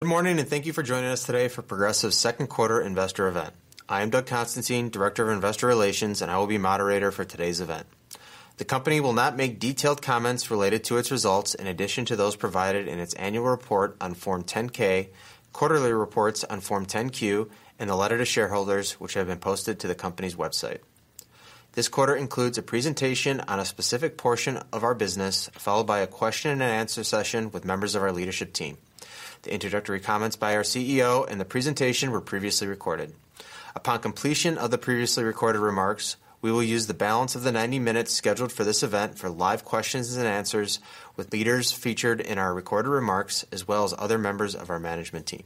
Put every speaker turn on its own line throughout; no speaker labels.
Good morning. Thank you for joining us today for Progressive's second quarter investor event. I am Doug Constantine, Director of Investor Relations, and I will be your moderator for today's event. The company will not make detailed comments related to its results in addition to those provided in its annual report on Form 10-K, quarterly reports on Form 10-Q, and the letter to shareholders, which have been posted to the company's website. This quarter includes a presentation on a specific portion of our business, followed by a question-and-answer session with members of our leadership team. The introductory comments by our CEO and the presentation were previously recorded. Upon completion of the previously recorded remarks, we will use the balance of the 90 minutes scheduled for this event for live questions and answers with leaders featured in our recorded remarks, as well as other members of our management team.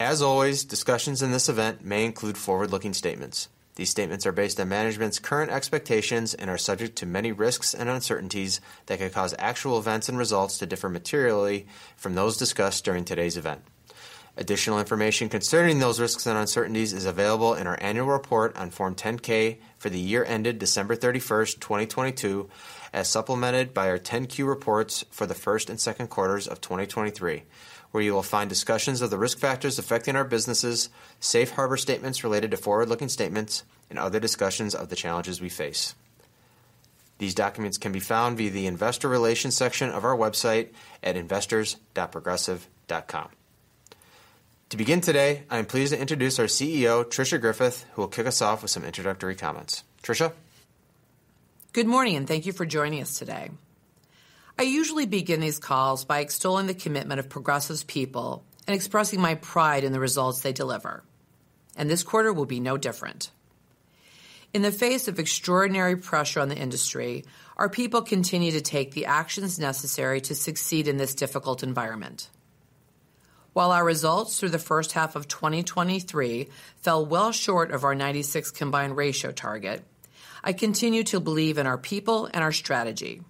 As always, discussions in this event may include forward-looking statements. These statements are based on management's current expectations and are subject to many risks and uncertainties that could cause actual events and results to differ materially from those discussed during today's event. Additional information concerning those risks and uncertainties is available in our annual report on Form 10-K for the year ended December 31st, 2022, as supplemented by our 10-Q reports for the first and second quarters of 2023, where you will find discussions of the risk factors affecting our businesses, safe harbor statements related to forward-looking statements, and other discussions of the challenges we face. These documents can be found via the Investor Relations section of our website at investors.progressive.com. To begin today, I'm pleased to introduce our CEO, Tricia Griffith, who will kick us off with some introductory comments. Tricia?
Good morning, thank you for joining us today. I usually begin these calls by extolling the commitment of Progressive's people and expressing my pride in the results they deliver, and this quarter will be no different. In the face of extraordinary pressure on the industry, our people continue to take the actions necessary to succeed in this difficult environment. While our results through the first half of 2023 fell well short of our 96 combined ratio target, I continue to believe in our people and our strategy.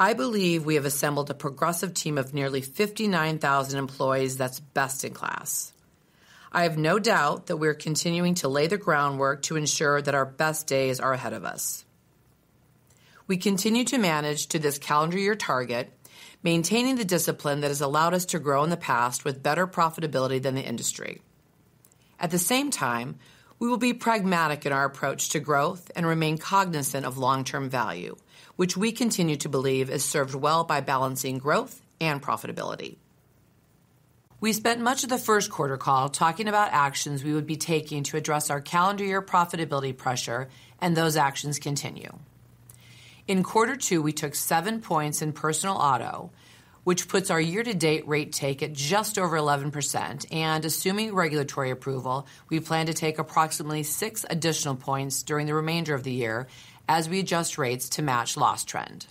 I believe we have assembled a Progressive team of nearly 59,000 employees that's best-in-class. I have no doubt that we're continuing to lay the groundwork to ensure that our best days are ahead of us. We continue to manage to this calendar year target, maintaining the discipline that has allowed us to grow in the past with better profitability than the industry. At the same time, we will be pragmatic in our approach to growth and remain cognizant of long-term value, which we continue to believe is served well by balancing growth and profitability. We spent much of the first quarter call talking about actions we would be taking to address our calendar year profitability pressure. Those actions continue. In quarter two, we took 7 points in personal auto, which puts our year-to-date rate take at just over 11%, and assuming regulatory approval, we plan to take approximately 6 additional points during the remainder of the year as we adjust rates to match loss trend.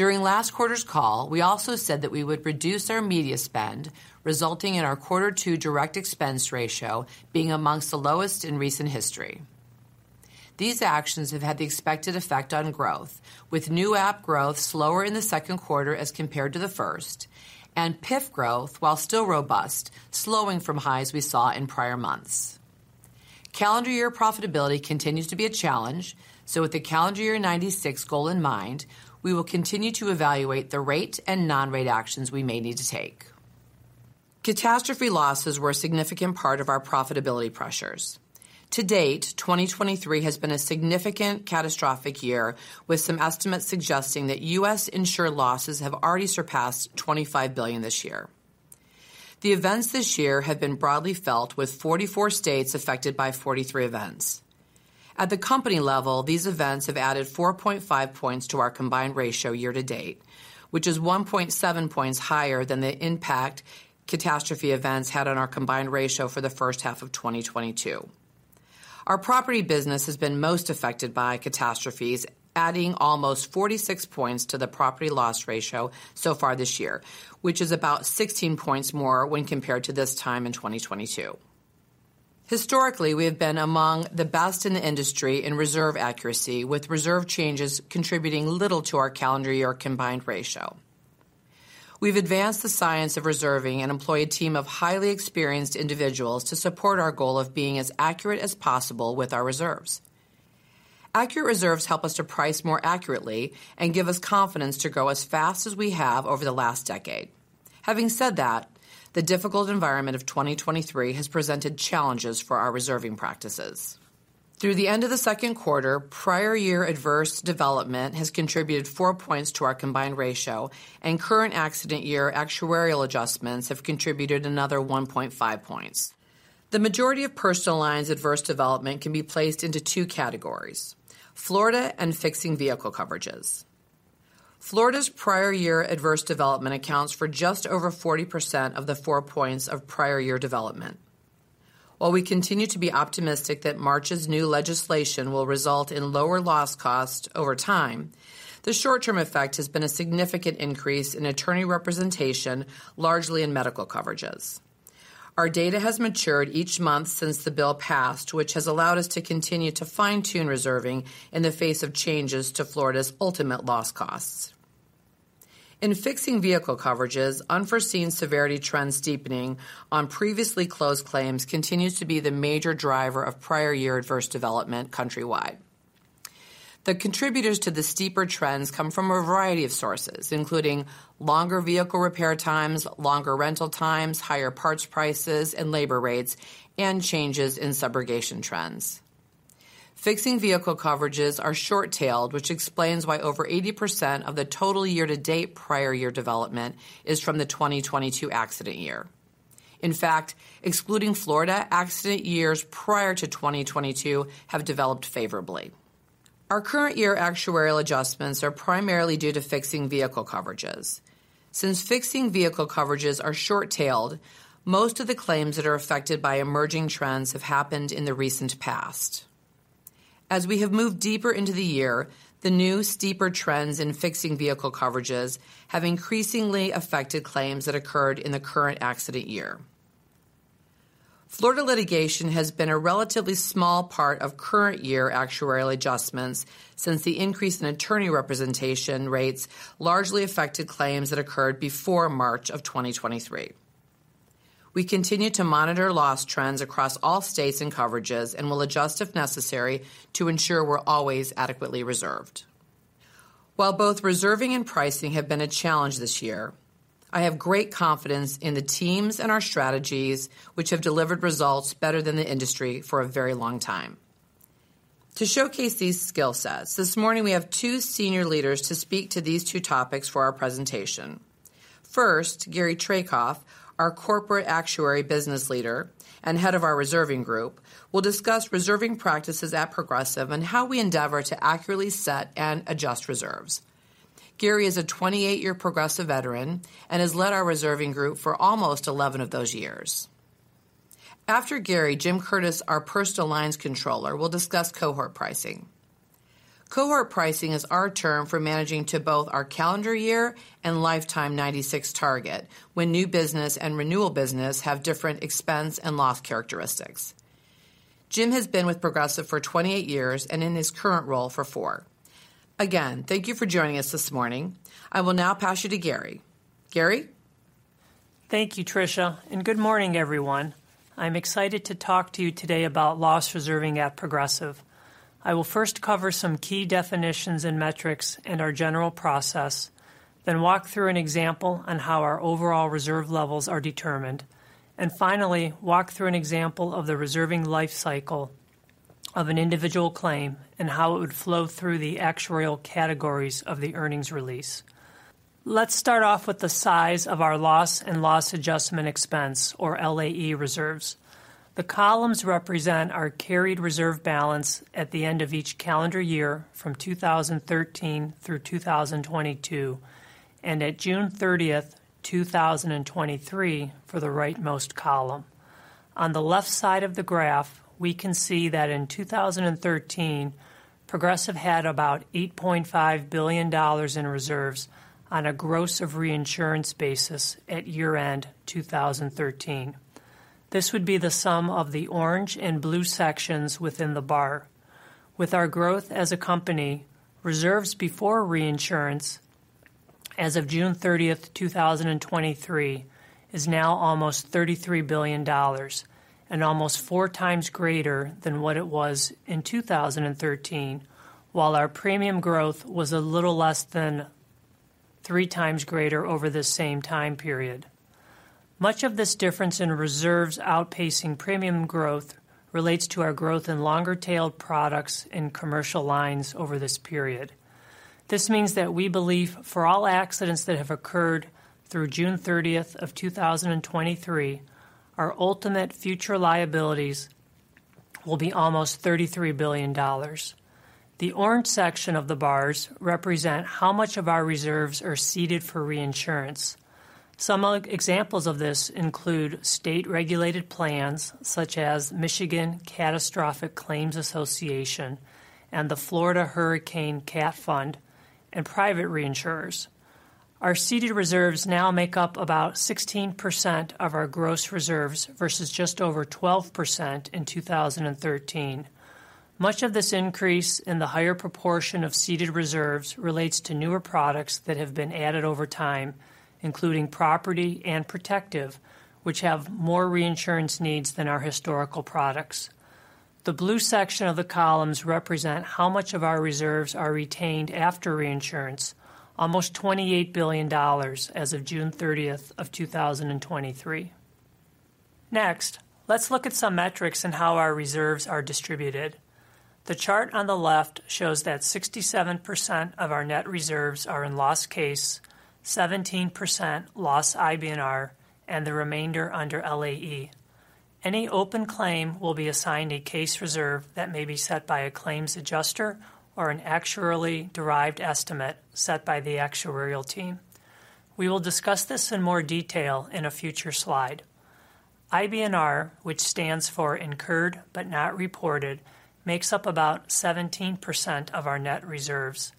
During last quarter's call, we also said that we would reduce our media spend, resulting in our quarter two direct expense ratio being amongst the lowest in recent history. These actions have had the expected effect on growth, with new app growth slower in the second quarter as compared to the first, and PIF growth, while still robust, slowing from highs we saw in prior months. Calendar year profitability continues to be a challenge. With the calendar year 96 goal in mind, we will continue to evaluate the rate and non-rate actions we may need to take. Catastrophe losses were a significant part of our profitability pressures. To date, 2023 has been a significant catastrophic year, with some estimates suggesting that U.S. insured losses have already surpassed $25 billion this year. The events this year have been broadly felt, with 44 states affected by 43 events. At the company level, these events have added 4.5 points to our combined ratio year to date, which is 1.7 points higher than the impact catastrophe events had on our combined ratio for the first half of 2022. Our property business has been most affected by catastrophes, adding almost 46 points to the property loss ratio so far this year, which is about 16 points more when compared to this time in 2022. Historically, we have been among the best in the industry in reserve accuracy, with reserve changes contributing little to our calendar year combined ratio. We've advanced the science of reserving and employ a team of highly experienced individuals to support our goal of being as accurate as possible with our reserves. Accurate reserves help us to price more accurately and give us confidence to grow as fast as we have over the last decade. Having said that, the difficult environment of 2023 has presented challenges for our reserving practices. Through the end of the second quarter, prior year adverse development has contributed 4 points to our combined ratio, and current accident year actuarial adjustments have contributed another 1.5 points. The majority of personal lines adverse development can be placed into two categories: Florida and fixing vehicle coverages. Florida's prior year adverse development accounts for just over 40% of the 4 points of prior year development. While we continue to be optimistic that March's new legislation will result in lower loss costs over time, the short-term effect has been a significant increase in attorney representation, largely in medical coverages. Our data has matured each month since the bill passed, which has allowed us to continue to fine-tune reserving in the face of changes to Florida's ultimate loss costs. In fixing vehicle coverages, unforeseen severity trends steepening on previously closed claims continues to be the major driver of prior year adverse development countrywide. The contributors to the steeper trends come from a variety of sources, including longer vehicle repair times, longer rental times, higher parts prices and labor rates, and changes in subrogation trends. Fixing vehicle coverages are short-tailed, which explains why over 80% of the total year-to-date prior year development is from the 2022 accident year. In fact, excluding Florida, accident years prior to 2022 have developed favorably. Our current year actuarial adjustments are primarily due to fixing vehicle coverages. Since fixing vehicle coverages are short-tailed, most of the claims that are affected by emerging trends have happened in the recent past. As we have moved deeper into the year, the new steeper trends in fixing vehicle coverages have increasingly affected claims that occurred in the current accident year. Florida litigation has been a relatively small part of current year actuarial adjustments since the increase in attorney representation rates largely affected claims that occurred before March of 2023. We continue to monitor loss trends across all states and coverages, and will adjust if necessary to ensure we're always adequately reserved. While both reserving and pricing have been a challenge this year, I have great confidence in the teams and our strategies, which have delivered results better than the industry for a very long time. To showcase these skill sets, this morning we have two senior leaders to speak to these two topics for our presentation. First, Gary Traicoff, our Corporate Actuary Business Leader and Head of our Reserving Group, will discuss reserving practices at Progressive and how we endeavor to accurately set and adjust reserves. Gary is a 28-year Progressive veteran and has led our reserving group for almost 11 of those years. After Gary, Jim Curtis, our Personal Lines Controller, will discuss cohort pricing. Cohort pricing is our term for managing to both our calendar year and lifetime 96 target, when new business and renewal business have different expense and loss characteristics. Jim has been with Progressive for 28 years and in his current role for four. Again, thank you for joining us this morning. I will now pass you to Gary. Gary?
Thank you, Tricia, and good morning, everyone. I'm excited to talk to you today about loss reserving at Progressive. I will first cover some key definitions and metrics and our general process, then walk through an example on how our overall reserve levels are determined, and finally, walk through an example of the reserving life cycle of an individual claim and how it would flow through the actuarial categories of the earnings release. Let's start off with the size of our loss and loss adjustment expense, or LAE reserves. The columns represent our carried reserve balance at the end of each calendar year from 2013 through 2022, and at June 30th, 2023, for the rightmost column. On the left side of the graph, we can see that in 2013, Progressive had about $8.5 billion in reserves on a gross of reinsurance basis at year-end 2013. This would be the sum of the orange and blue sections within the bar. With our growth as a company, reserves before reinsurance as of June 30th, 2023, is now almost $33 billion and almost 4x greater than what it was in 2013, while our premium growth was a little less than 3x greater over the same time period. Much of this difference in reserves outpacing premium growth relates to our growth in longer-tailed products in commercial lines over this period. This means that we believe for all accidents that have occurred through June thirtieth of 2023, our ultimate future liabilities will be almost $33 billion. The orange section of the bars represent how much of our reserves are ceded for reinsurance. Some examples of this include state-regulated plans such as Michigan Catastrophic Claims Association and the Florida Hurricane Cat Fund, and private reinsurers. Our ceded reserves now make up about 16% of our gross reserves, versus just over 12% in 2013. Much of this increase in the higher proportion of ceded reserves relates to newer products that have been added over time, including property and protective, which have more reinsurance needs than our historical products. The blue section of the columns represent how much of our reserves are retained after reinsurance, almost $28 billion as of June 30th of 2023. Next, let's look at some metrics and how our reserves are distributed. The chart on the left shows that 67% of our net reserves are in loss case, 17% loss IBNR, and the remainder under LAE. Any open claim will be assigned a case reserve that may be set by a claims adjuster or an actuarially derived estimate set by the actuarial team. We will discuss this in more detail in a future slide. IBNR, which stands for Incurred But Not Reported, makes up about 17% of our net reserves.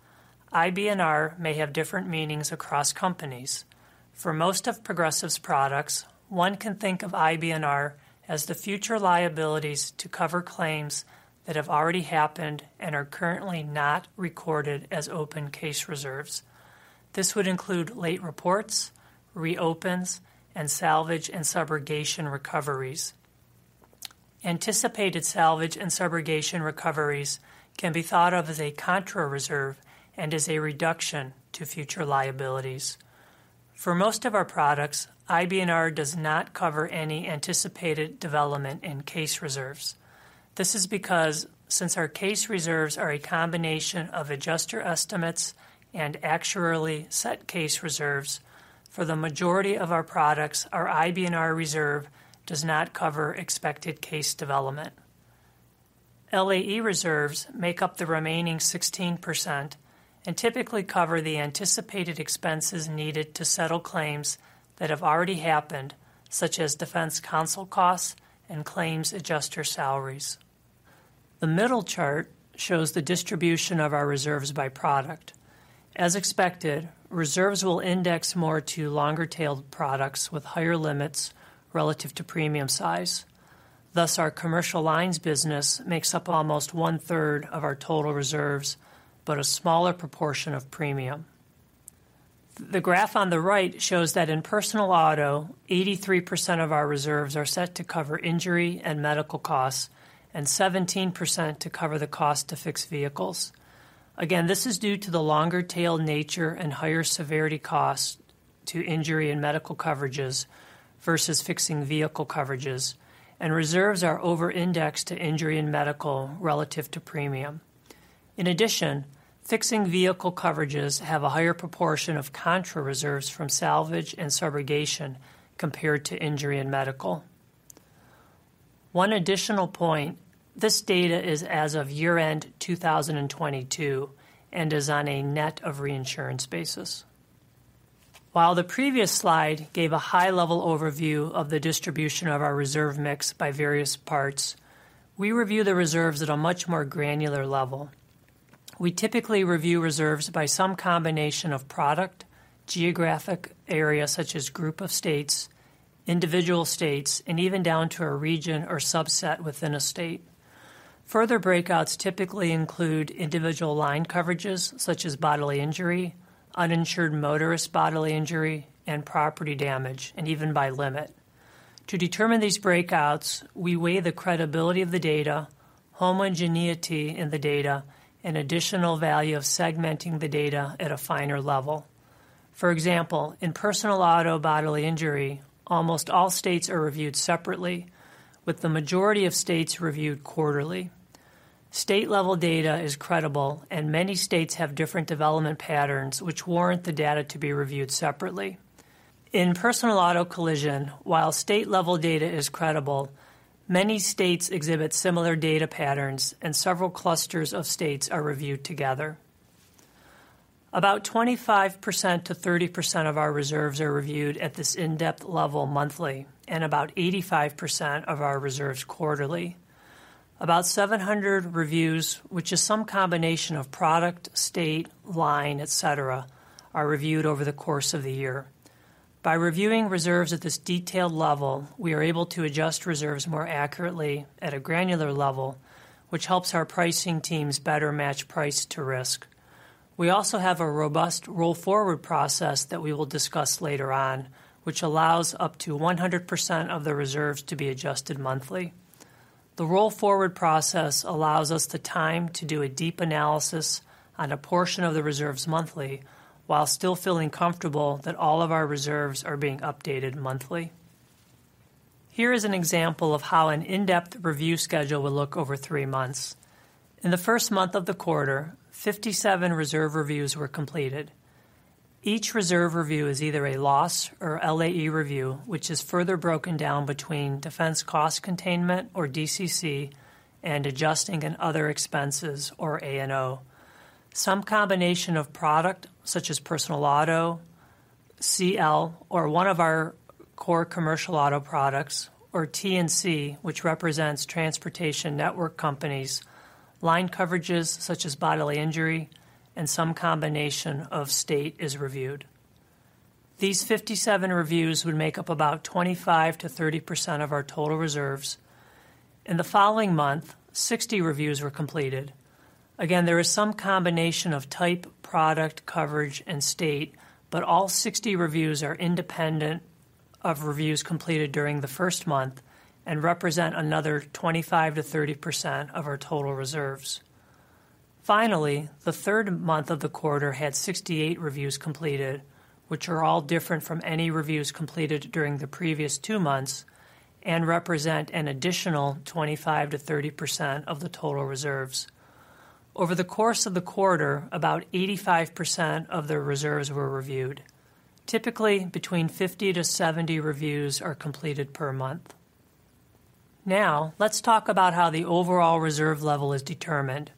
IBNR may have different meanings across companies. For most of Progressive's products, one can think of IBNR as the future liabilities to cover claims that have already happened and are currently not recorded as open case reserves. This would include late reports, reopens, and salvage and subrogation recoveries. Anticipated salvage and subrogation recoveries can be thought of as a contra reserve and as a reduction to future liabilities. For most of our products, IBNR does not cover any anticipated development in case reserves. This is because since our case reserves are a combination of adjuster estimates and actuarially set case reserves, for the majority of our products, our IBNR reserve does not cover expected case development. LAE reserves make up the remaining 16% and typically cover the anticipated expenses needed to settle claims that have already happened, such as defense counsel costs and claims adjuster salaries. The middle chart shows the distribution of our reserves by product. As expected, reserves will index more to longer-tailed products with higher limits relative to premium size. Thus, our commercial lines business makes up almost 1/3 of our total reserves, but a smaller proportion of premium. The graph on the right shows that in personal auto, 83% of our reserves are set to cover injury and medical costs and 17% to cover the cost to fix vehicles. Again, this is due to the longer-tail nature and higher severity cost to injury and medical coverages versus fixing vehicle coverages, and reserves are over-indexed to injury and medical relative to premium. In addition, fixing vehicle coverages have a higher proportion of contra reserves from salvage and subrogation compared to injury and medical. One additional point, this data is as of year-end 2022 and is on a net of reinsurance basis. While the previous slide gave a high-level overview of the distribution of our reserve mix by various parts, we review the reserves at a much more granular level. We typically review reserves by some combination of product, geographic area, such as group of states, individual states, and even down to a region or subset within a state. Further breakouts typically include individual line coverages, such as bodily injury, uninsured motorist bodily injury, and property damage, and even by limit. To determine these breakouts, we weigh the credibility of the data, homogeneity in the data, and additional value of segmenting the data at a finer level. For example, in personal auto bodily injury, almost all states are reviewed separately, with the majority of states reviewed quarterly. State-level data is credible, and many states have different development patterns, which warrant the data to be reviewed separately. In personal auto collision, while state-level data is credible, many states exhibit similar data patterns, and several clusters of states are reviewed together. About 25%-30% of our reserves are reviewed at this in-depth level monthly, and about 85% of our reserves quarterly. About 700 reviews, which is some combination of product, state, line, et cetera, are reviewed over the course of the year. By reviewing reserves at this detailed level, we are able to adjust reserves more accurately at a granular level, which helps our pricing teams better match price to risk. We also have a robust roll-forward process that we will discuss later on, which allows up to 100% of the reserves to be adjusted monthly. The roll-forward process allows us the time to do a deep analysis on a portion of the reserves monthly, while still feeling comfortable that all of our reserves are being updated monthly. Here is an example of how an in-depth review schedule would look over three months. In the first month of the quarter, 57 reserve reviews were completed. Each reserve review is either a loss or LAE review, which is further broken down between defense cost containment, or DCC, and adjusting and other expenses, or A&O. Some combination of product, such as personal auto, CL, or one of our core commercial auto products, or TNC, which represents transportation network companies, line coverages such as bodily injury, and some combination of state is reviewed. These 57 reviews would make up about 25%-30% of our total reserves. In the following month, 60 reviews were completed. There is some combination of type, product, coverage, and state, but all 60 reviews are independent of reviews completed during the first month and represent another 25%-30% of our total reserves. The third month of the quarter had 68 reviews completed, which are all different from any reviews completed during the previous two months and represent an additional 25%-30% of the total reserves. Over the course of the quarter, about 85% of the reserves were reviewed. Typically, between 50-70 reviews are completed per month. Let's talk about how the overall reserve level is determined.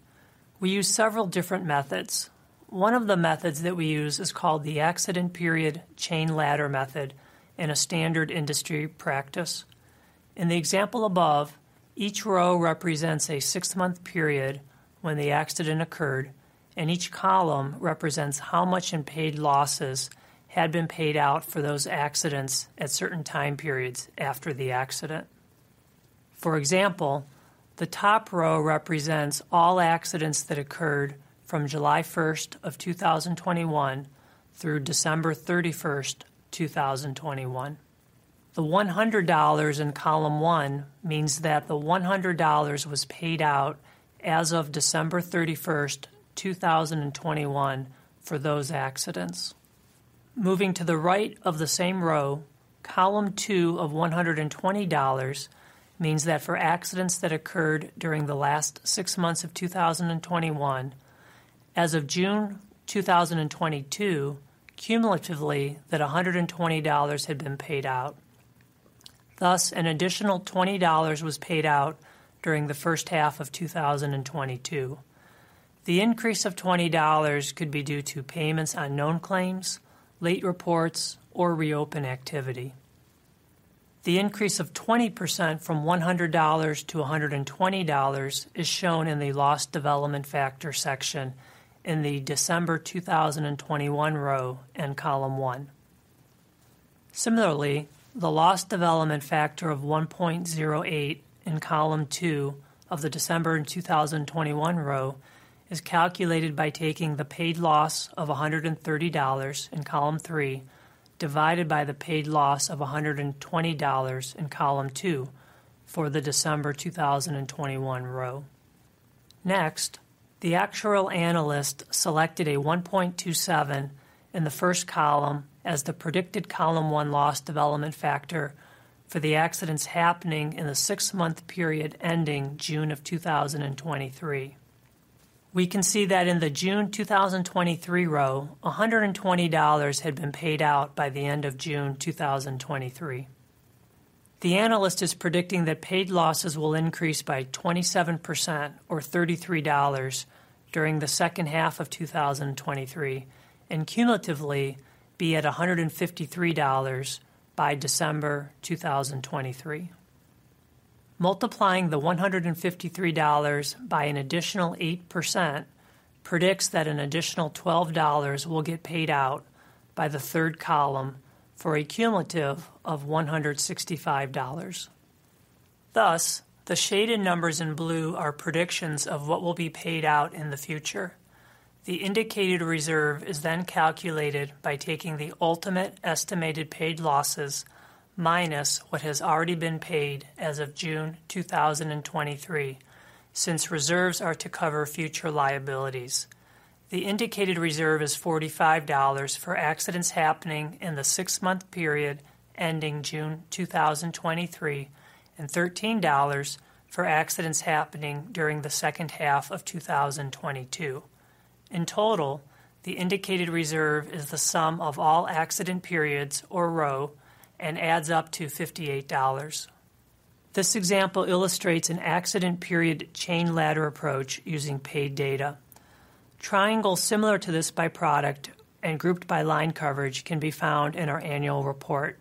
We use several different methods. One of the methods that we use is called the accident period chain ladder method and a standard industry practice. In the example above, each row represents a six-month period when the accident occurred, and each column represents how much in paid losses had been paid out for those accidents at certain time periods after the accident. For example. The top row represents all accidents that occurred from July 1st of 2021 through December 31st, 2021. The $100 in column one means that the $100 was paid out as of December 31st, 2021, for those accidents. Moving to the right of the same row, column two of $120 means that for accidents that occurred during the last six months of 2021, as of June 2022, cumulatively, that $120 had been paid out. An additional $20 was paid out during the first half of 2022. The increase of $20 could be due to payments on known claims, late reports, or reopen activity. The increase of 20% from $100 to $120 is shown in the loss development factor section in the December 2021 row in column one. Similarly, the loss development factor of 1.08 in column two of the December 2021 row is calculated by taking the paid loss of $130 in column three, divided by the paid loss of $120 in column two for the December 2021 row. Next, the actuarial analyst selected a 1.27 in the first column as the predicted column one loss development factor for the accidents happening in the six-month period ending June of 2023. We can see that in the June 2023 row, $120 had been paid out by the end of June 2023. The analyst is predicting that paid losses will increase by 27% or $33 during the 2nd half of 2023, and cumulatively be at $153 by December 2023. Multiplying the $153 by an additional 8% predicts that an additional $12 will get paid out by the third column for a cumulative of $165. The shaded numbers in blue are predictions of what will be paid out in the future. The indicated reserve is then calculated by taking the ultimate estimated paid losses, minus what has already been paid as of June 2023, since reserves are to cover future liabilities. The indicated reserve is $45 for accidents happening in the six-month period ending June 2023, and $13 for accidents happening during the second half of 2022. In total, the indicated reserve is the sum of all accident periods or row, and adds up to $58. This example illustrates an accident period chain ladder approach using paid data. Triangles similar to this by product and grouped by line coverage can be found in our annual report.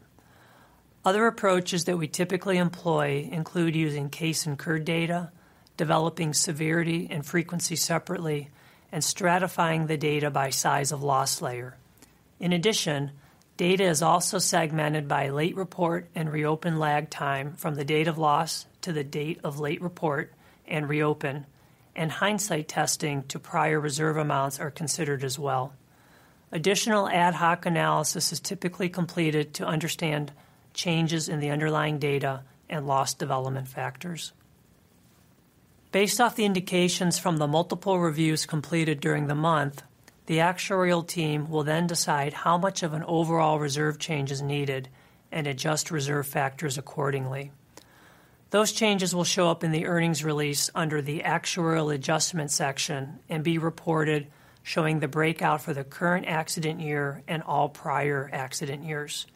Other approaches that we typically employ include using case incurred data, developing severity and frequency separately, and stratifying the data by size of loss layer. In addition, data is also segmented by late report and reopen lag time from the date of loss to the date of late report and reopen, and hindsight testing to prior reserve amounts are considered as well. Additional ad hoc analysis is typically completed to understand changes in the underlying data and loss development factors. Based off the indications from the multiple reviews completed during the month, the actuarial team will then decide how much of an overall reserve change is needed and adjust reserve factors accordingly. Those changes will show up in the earnings release under the actuarial adjustment section and be reported showing the breakout for the current accident year and all prior accident years.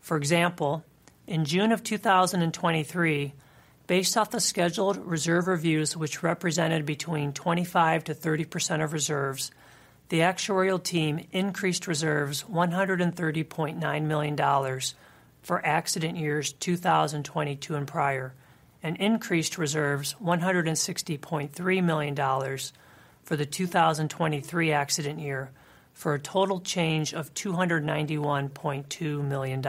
For example, in June 2023, based off the scheduled reserve reviews which represented between 25%-30% of reserves, the actuarial team increased reserves $130.9 million for accident years 2022 and prior, and increased reserves $160.3 million for the 2023 accident year, for a total change of $291.2 million.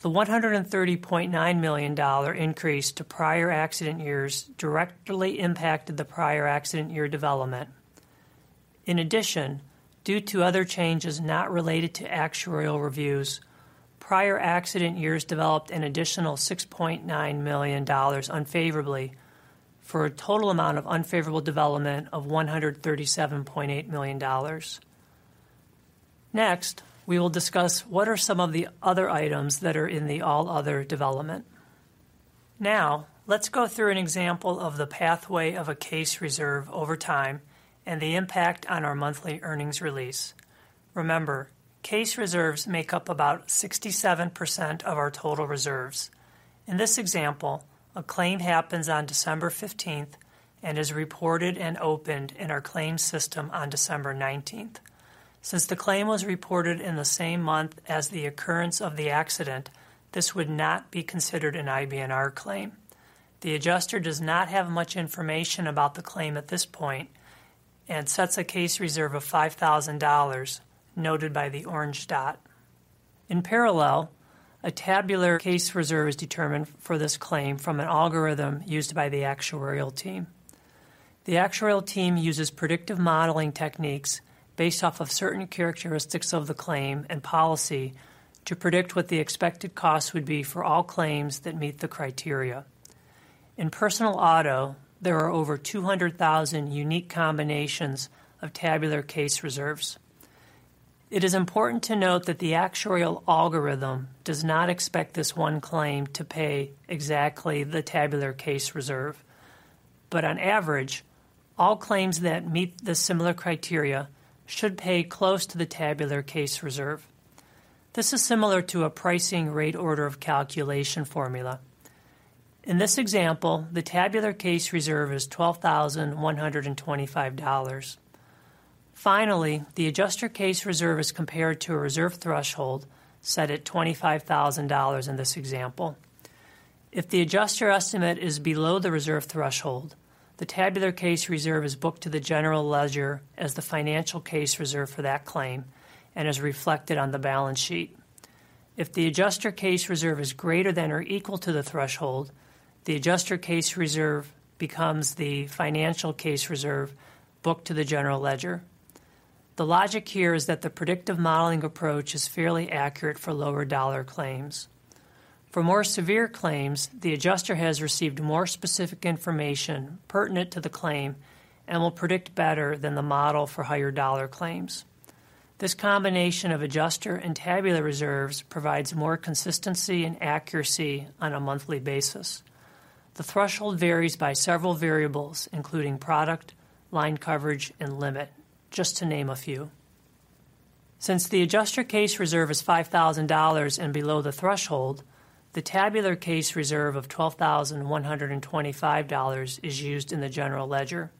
The $130.9 million increase to prior accident years directly impacted the prior accident year development. In addition, due to other changes not related to actuarial reviews, prior accident years developed an additional $6.9 million unfavorably, for a total amount of unfavorable development of $137.8 million. Next, we will discuss what are some of the other items that are in the all other development. Now, let's go through an example of the pathway of a case reserve over time and the impact on our monthly earnings release. Remember, case reserves make up about 67% of our total reserves. In this example, a claim happens on December 15th and is reported and opened in our claims system on December 19th. Since the claim was reported in the same month as the occurrence of the accident, this would not be considered an IBNR claim. The adjuster does not have much information about the claim at this point and sets a case reserve of $5,000, noted by the orange dot. In parallel, a tabular case reserve is determined for this claim from an algorithm used by the actuarial team. The actuarial team uses predictive modeling techniques based off of certain characteristics of the claim and policy to predict what the expected cost would be for all claims that meet the criteria. In personal auto, there are over 200,000 unique combinations of tabular case reserves. It is important to note that the actuarial algorithm does not expect this one claim to pay exactly the tabular case reserve, but on average, all claims that meet the similar criteria should pay close to the tabular case reserve. This is similar to a pricing rate order of calculation formula. In this example, the tabular case reserve is $12,125. Finally, the adjuster case reserve is compared to a reserve threshold set at $25,000 in this example. If the adjuster estimate is below the reserve threshold, the tabular case reserve is booked to the general ledger as the financial case reserve for that claim and is reflected on the balance sheet. If the adjuster case reserve is greater than or equal to the threshold, the adjuster case reserve becomes the financial case reserve booked to the general ledger. The logic here is that the predictive modeling approach is fairly accurate for lower dollar claims. For more severe claims, the adjuster has received more specific information pertinent to the claim and will predict better than the model for higher dollar claims. This combination of adjuster and tabular reserves provides more consistency and accuracy on a monthly basis. The threshold varies by several variables, including product, line coverage, and limit, just to name a few. Since the adjuster case reserve is $5,000 and below the threshold, the tabular case reserve of $12,125 is used in the general ledger.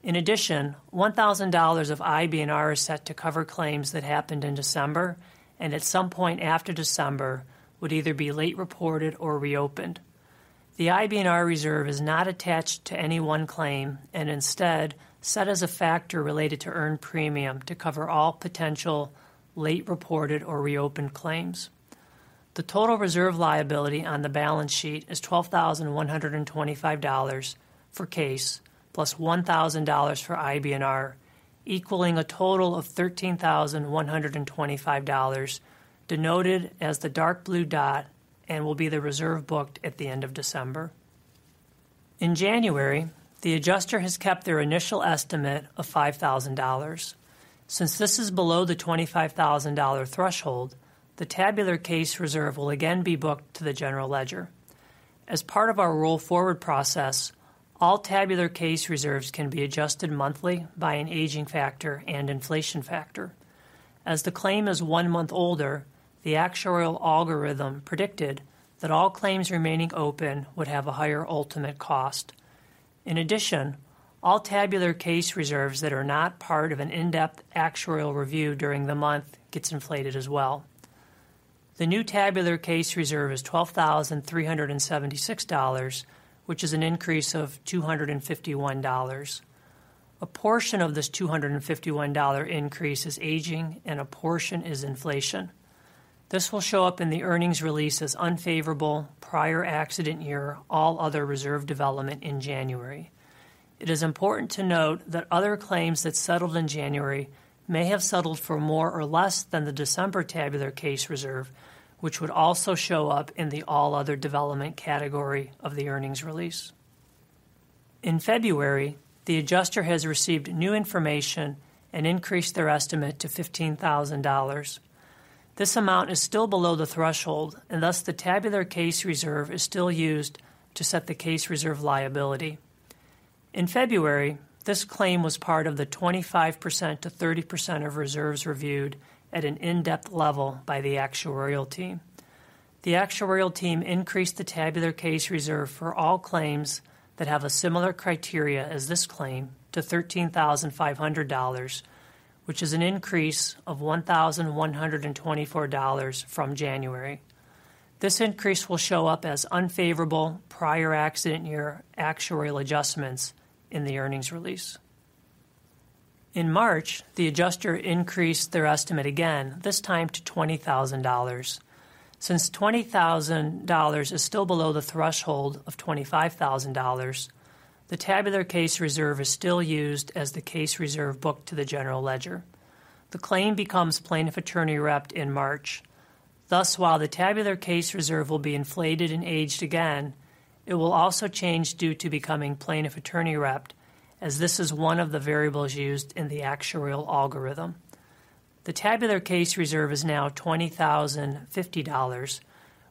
In addition, $1,000 of IBNR is set to cover claims that happened in December, and at some point after December, would either be late reported or reopened. The IBNR reserve is not attached to any one claim, and instead set as a factor related to earned premium to cover all potential late reported or reopened claims. The total reserve liability on the balance sheet is $12,125 for case, +$1,000 for IBNR, equaling a total of $13,125, denoted as the dark blue dot and will be the reserve booked at the end of December. In January, the adjuster has kept their initial estimate of $5,000. Since this is below the $25,000 threshold, the tabular case reserve will again be booked to the general ledger. As part of our roll forward process, all tabular case reserves can be adjusted monthly by an aging factor and inflation factor. As the claim is one month older, the actuarial algorithm predicted that all claims remaining open would have a higher ultimate cost. In addition, all tabular case reserves that are not part of an in-depth actuarial review during the month gets inflated as well. The new tabular case reserve is $12,376, which is an increase of $251. A portion of this $251 increase is aging, and a portion is inflation. This will show up in the earnings release as unfavorable prior accident year, all other reserve development in January. It is important to note that other claims that settled in January may have settled for more or less than the December tabular case reserve, which would also show up in the all other development category of the earnings release. In February, the adjuster has received new information and increased their estimate to $15,000. This amount is still below the threshold, and thus the tabular case reserve is still used to set the case reserve liability. In February, this claim was part of the 25%-30% of reserves reviewed at an in-depth level by the actuarial team. The actuarial team increased the tabular case reserve for all claims that have a similar criteria as this claim to $13,500, which is an increase of $1,124 from January. This increase will show up as unfavorable prior accident year actuarial adjustments in the earnings release. In March, the adjuster increased their estimate again, this time to $20,000. Since $20,000 is still below the threshold of $25,000, the tabular case reserve is still used as the case reserve booked to the general ledger. The claim becomes plaintiff attorney repped in March. Thus, while the tabular case reserve will be inflated and aged again, it will also change due to becoming plaintiff attorney repped, as this is one of the variables used in the actuarial algorithm. The tabular case reserve is now $20,050,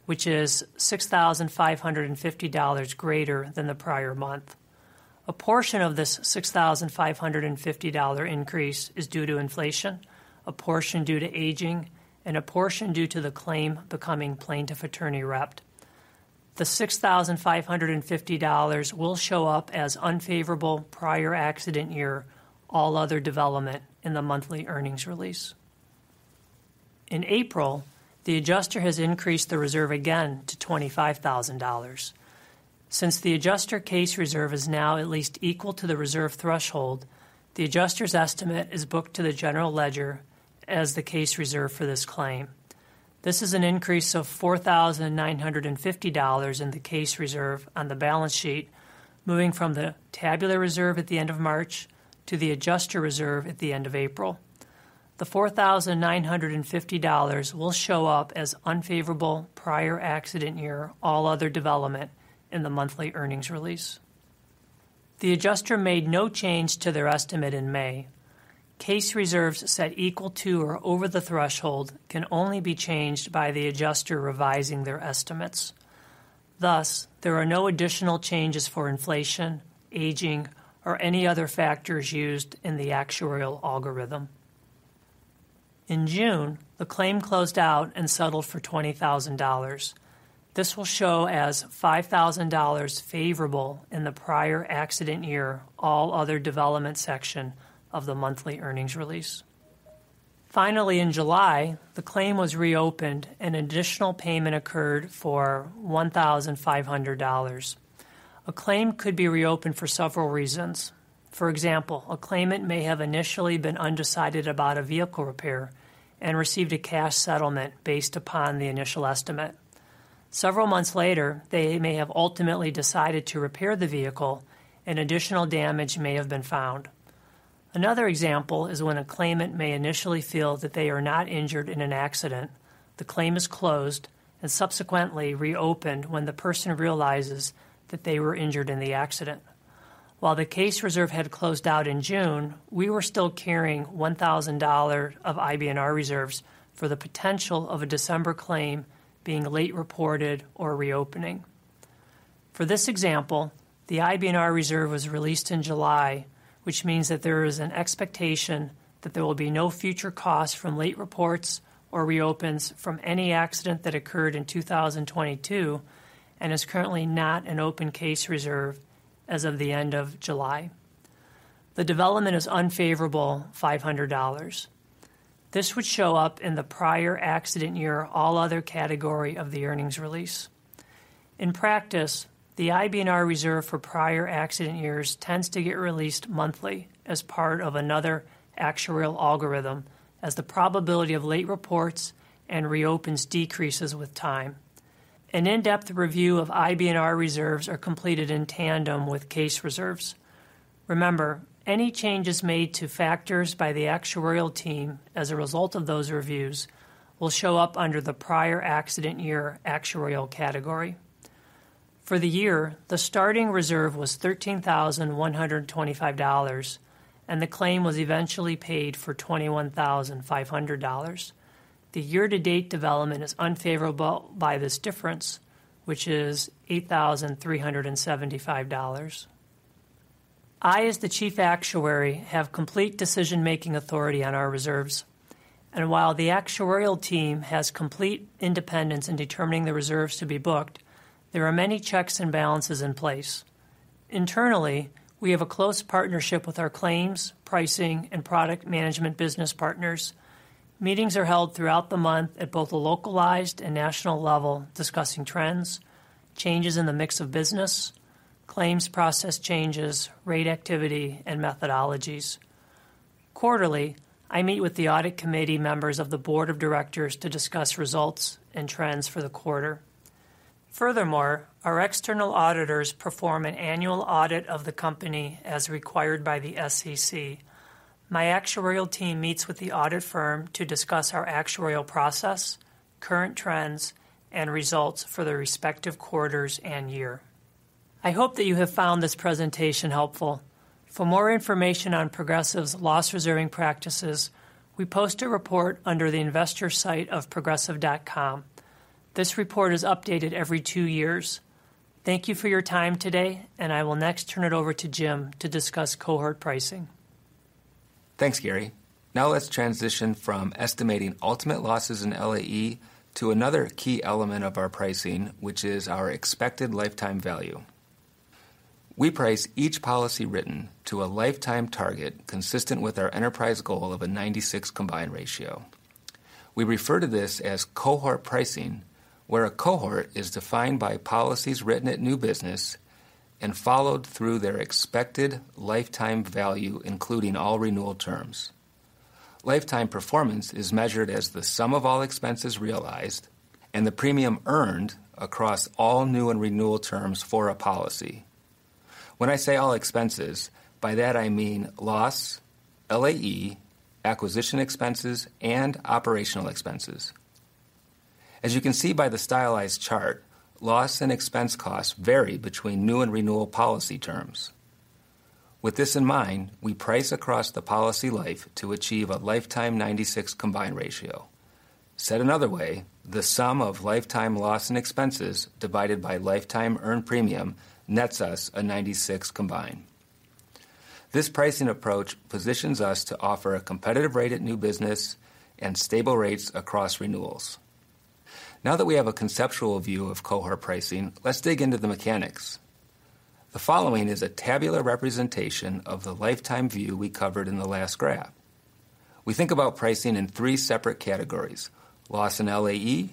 which is $6,550 greater than the prior month. A portion of this $6,550 increase is due to inflation, a portion due to aging, and a portion due to the claim becoming plaintiff attorney repped. The $6,550 will show up as unfavorable prior accident year, all other development in the monthly earnings release. In April, the adjuster has increased the reserve again to $25,000. Since the adjuster case reserve is now at least equal to the reserve threshold, the adjuster's estimate is booked to the general ledger as the case reserve for this claim. This is an increase of $4,950 in the case reserve on the balance sheet, moving from the tabular reserve at the end of March to the adjuster reserve at the end of April. The $4,950 will show up as unfavorable prior accident year, all other development in the monthly earnings release. The adjuster made no change to their estimate in May. Case reserves set equal to or over the threshold can only be changed by the adjuster revising their estimates. Thus, there are no additional changes for inflation, aging, or any other factors used in the actuarial algorithm. In June, the claim closed out and settled for $20,000. This will show as $5,000 favorable in the prior accident year, all other development section of the monthly earnings release. Finally, in July, the claim was reopened, and additional payment occurred for $1,500. A claim could be reopened for several reasons. For example, a claimant may have initially been undecided about a vehicle repair and received a cash settlement based upon the initial estimate. Several months later, they may have ultimately decided to repair the vehicle and additional damage may have been found. Another example is when a claimant may initially feel that they are not injured in an accident, the claim is closed and subsequently reopened when the person realizes that they were injured in the accident. While the case reserve had closed out in June, we were still carrying $1,000 of IBNR reserves for the potential of a December claim being late reported or reopening. For this example, the IBNR reserve was released in July, which means that there is an expectation that there will be no future costs from late reports or reopens from any accident that occurred in 2022 and is currently not an open case reserve as of the end of July. The development is unfavorable, $500. This would show up in the prior accident year, all other category of the earnings release. In practice, the IBNR reserve for prior accident years tends to get released monthly as part of another actuarial algorithm, as the probability of late reports and reopens decreases with time. An in-depth review of IBNR reserves are completed in tandem with case reserves. Remember, any changes made to factors by the actuarial team as a result of those reviews will show up under the prior accident year actuarial category. For the year, the starting reserve was $13,125, and the claim was eventually paid for $21,500. The year-to-date development is unfavorable by this difference, which is $8,375. I, as the Chief Actuary, have complete decision-making authority on our reserves, and while the actuarial team has complete independence in determining the reserves to be booked, there are many checks and balances in place. Internally, we have a close partnership with our claims, pricing, and product management business partners. Meetings are held throughout the month at both a localized and national level, discussing trends, changes in the mix of business, claims process changes, rate activity, and methodologies. Quarterly, I meet with the audit committee members of the board of directors to discuss results and trends for the quarter. Furthermore, our external auditors perform an annual audit of the company as required by the SEC. My actuarial team meets with the audit firm to discuss our actuarial process, current trends, and results for the respective quarters and year. I hope that you have found this presentation helpful. For more information on Progressive's loss reserving practices, we post a report under the investor site of progressive.com. This report is updated every two years. Thank you for your time today, and I will next turn it over to Jim to discuss cohort pricing.
Thanks, Gary. Now let's transition from estimating ultimate losses in LAE to another key element of our pricing, which is our expected lifetime value. We price each policy written to a lifetime target consistent with our enterprise goal of a 96 combined ratio. We refer to this as cohort pricing, where a cohort is defined by policies written at new business and followed through their expected lifetime value, including all renewal terms. Lifetime performance is measured as the sum of all expenses realized and the premium earned across all new and renewal terms for a policy. When I say all expenses, by that I mean loss, LAE, acquisition expenses, and operational expenses. As you can see by the stylized chart, loss and expense costs vary between new and renewal policy terms. With this in mind, we price across the policy life to achieve a lifetime 96 combined ratio. Said another way, the sum of lifetime loss and expenses divided by lifetime earned premium nets us a 96 combine. This pricing approach positions us to offer a competitive rate at new business and stable rates across renewals. Now that we have a conceptual view of cohort pricing, let's dig into the mechanics. The following is a tabular representation of the lifetime view we covered in the last graph. We think about pricing in three separate categories: loss in LAE,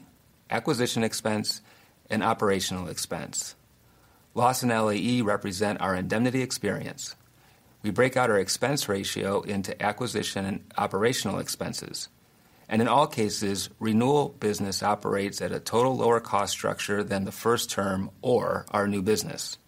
acquisition expense, and operational expense. Loss in LAE represent our indemnity experience. We break out our expense ratio into acquisition and operational expenses, and in all cases, renewal business operates at a total lower cost structure than the first term or our new business.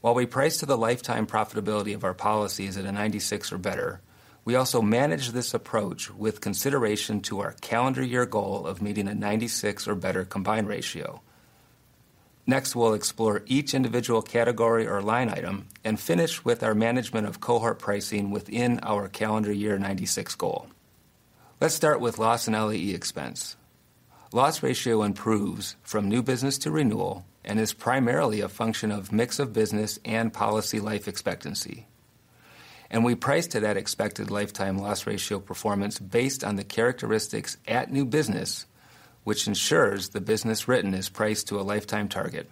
While we price to the lifetime profitability of our policies at a 96% or better, we also manage this approach with consideration to our calendar year goal of meeting a 96% or better combined ratio. Next, we'll explore each individual category or line item and finish with our management of cohort pricing within our calendar year 96% goal. Let's start with loss and LAE expense. Loss ratio improves from new business to renewal and is primarily a function of mix of business and policy life expectancy. We price to that expected lifetime loss ratio performance based on the characteristics at new business, which ensures the business written is priced to a lifetime target.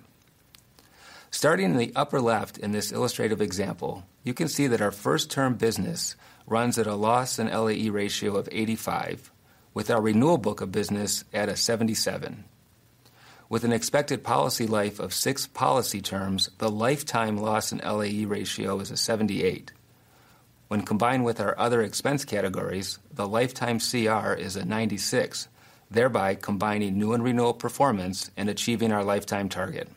Starting in the upper left in this illustrative example, you can see that our first-term business runs at a loss in LAE ratio of 85%, with our renewal book of business at a 77%. With an expected policy life of six policy terms, the lifetime loss in LAE ratio is a 78%. When combined with our other expense categories, the lifetime CR is a 96%, thereby combining new and renewal performance and achieving our lifetime target.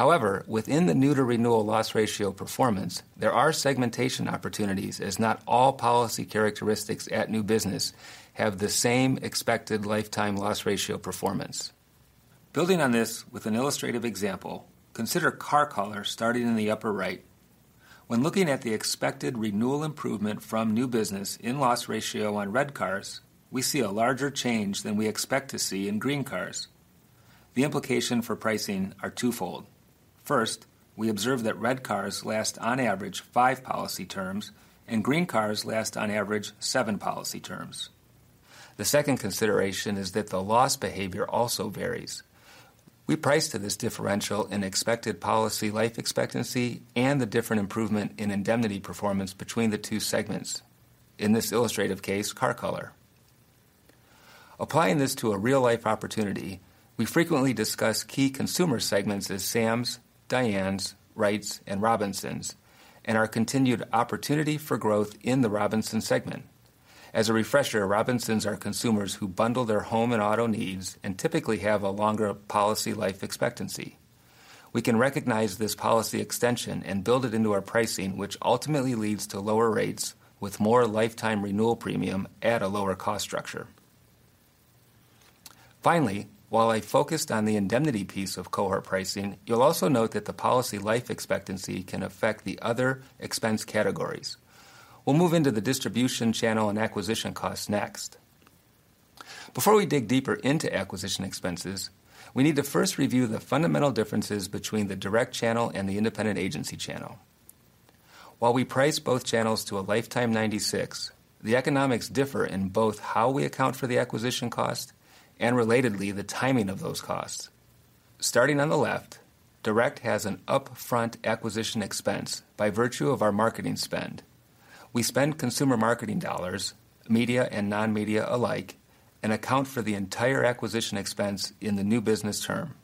However, within the new to renewal loss ratio performance, there are segmentation opportunities, as not all policy characteristics at new business have the same expected lifetime loss ratio performance. Building on this with an illustrative example, consider car color starting in the upper right. When looking at the expected renewal improvement from new business in loss ratio on red cars, we see a larger change than we expect to see in green cars. The implication for pricing are twofold. First, we observe that red cars last, on average, five policy terms, and green cars last, on average, seven policy terms. The second consideration is that the loss behavior also varies. We price to this differential in expected policy life expectancy and the different improvement in indemnity performance between the two segments. In this illustrative case, car color. Applying this to a real-life opportunity, we frequently discuss key consumer segments as Sams, Dianes, Wrights, and Robinsons, and our continued opportunity for growth in the Robinson segment. As a refresher, Robinsons are consumers who bundle their home and auto needs and typically have a longer policy life expectancy. We can recognize this policy extension and build it into our pricing, which ultimately leads to lower rates with more lifetime renewal premium at a lower cost structure. Finally, while I focused on the indemnity piece of cohort pricing, you'll also note that the policy life expectancy can affect the other expense categories. We'll move into the distribution channel and acquisition costs next. Before we dig deeper into acquisition expenses, we need to first review the fundamental differences between the direct channel and the independent agency channel. While we price both channels to a lifetime 96, the economics differ in both how we account for the acquisition cost and, relatedly, the timing of those costs. Starting on the left, direct has an upfront acquisition expense by virtue of our marketing spend. We spend consumer marketing dollars, media and non-media alike, and account for the entire acquisition expense in the new business term.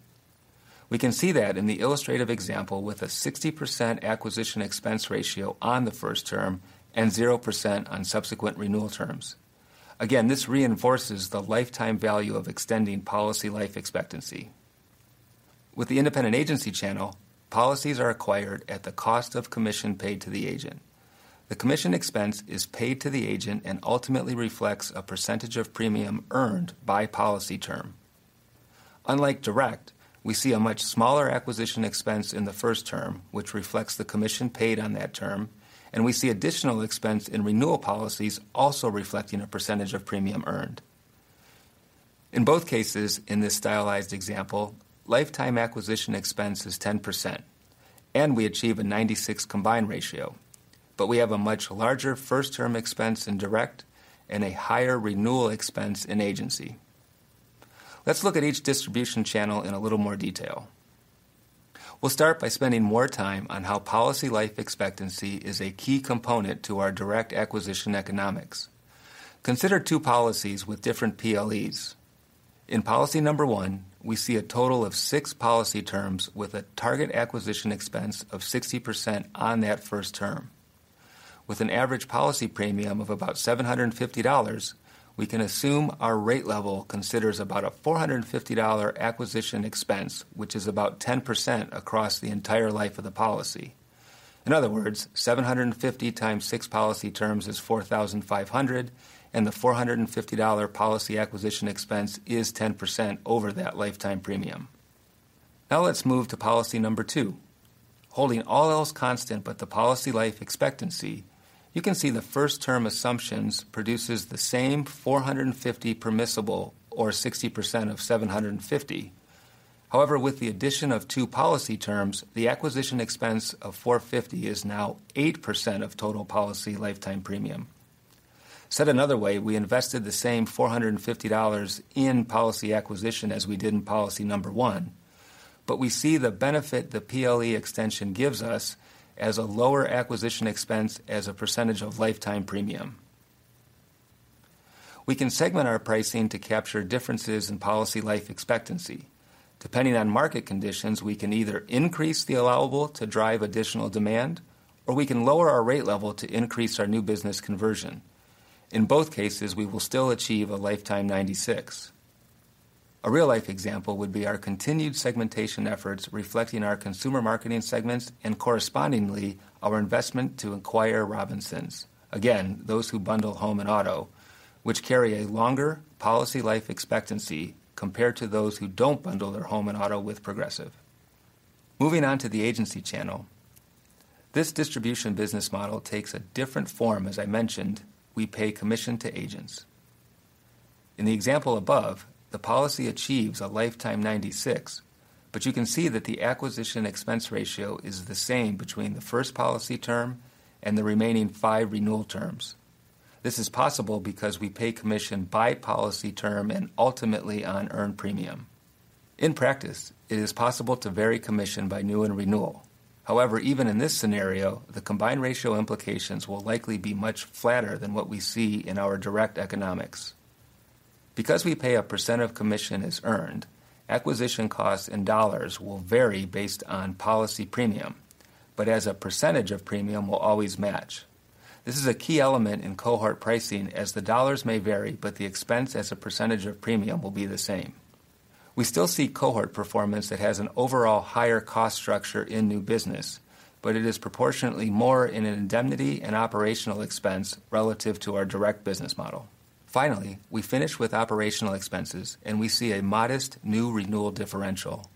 We can see that in the illustrative example, with a 60% acquisition expense ratio on the first term and 0% on subsequent renewal terms. Again, this reinforces the lifetime value of extending policy life expectancy. With the independent agency channel, policies are acquired at the cost of commission paid to the agent. The commission expense is paid to the agent and ultimately reflects a percentage of premium earned by policy term. Unlike direct, we see a much smaller acquisition expense in the first term, which reflects the commission paid on that term, and we see additional expense in renewal policies also reflecting a percentage of premium earned. In both cases, in this stylized example, lifetime acquisition expense is 10%, and we achieve a 96 combined ratio, but we have a much larger first-term expense in direct and a higher renewal expense in agency. Let's look at each distribution channel in a little more detail. We'll start by spending more time on how policy life expectancy is a key component to our direct acquisition economics. Consider two policies with different PLEs. In policy number one, we see a total of six policy terms with a target acquisition expense of 60% on that first term. With an average policy premium of about $750, we can assume our rate level considers about a $450 acquisition expense, which is about 10% across the entire life of the policy. In other words, $750x6 policy terms is $4,500, and the $450 policy acquisition expense is 10% over that lifetime premium. Let's move to policy number two. Holding all else constant but the policy life expectancy, you can see the first-term assumptions produces the same $450 permissible or 60% of $750. However, with the addition of two policy terms, the acquisition expense of $450 is now 8% of total policy lifetime premium. Said another way, we invested the same $450 in policy acquisition as we did in policy number one, but we see the benefit the PLE extension gives us as a lower acquisition expense as a percentage of lifetime premium. We can segment our pricing to capture differences in policy life expectancy. Depending on market conditions, we can either increase the allowable to drive additional demand, or we can lower our rate level to increase our new business conversion. In both cases, we will still achieve a lifetime 96. A real-life example would be our continued segmentation efforts reflecting our consumer marketing segments and correspondingly, our investment to acquire Robinsons. Again, those who bundle home and auto, which carry a longer policy life expectancy compared to those who don't bundle their home and auto with Progressive. Moving on to the agency channel. This distribution business model takes a different form. As I mentioned, we pay commission to agents. In the example above, the policy achieves a lifetime 96, but you can see that the acquisition expense ratio is the same between the first policy term and the remaining five renewal terms. This is possible because we pay commission by policy term and ultimately on earned premium. In practice, it is possible to vary commission by new and renewal. However, even in this scenario, the combined ratio implications will likely be much flatter than what we see in our direct economics. Because we pay a percent of commission as earned, acquisition costs and dollars will vary based on policy premium, but as a percentage of premium will always match. This is a key element in cohort pricing, as the dollars may vary, but the expense as a percentage of premium will be the same. We still see cohort performance that has an overall higher cost structure in new business, but it is proportionately more in an indemnity and operational expense relative to our direct business model. We finish with operational expenses, and we see a modest new renewal differential.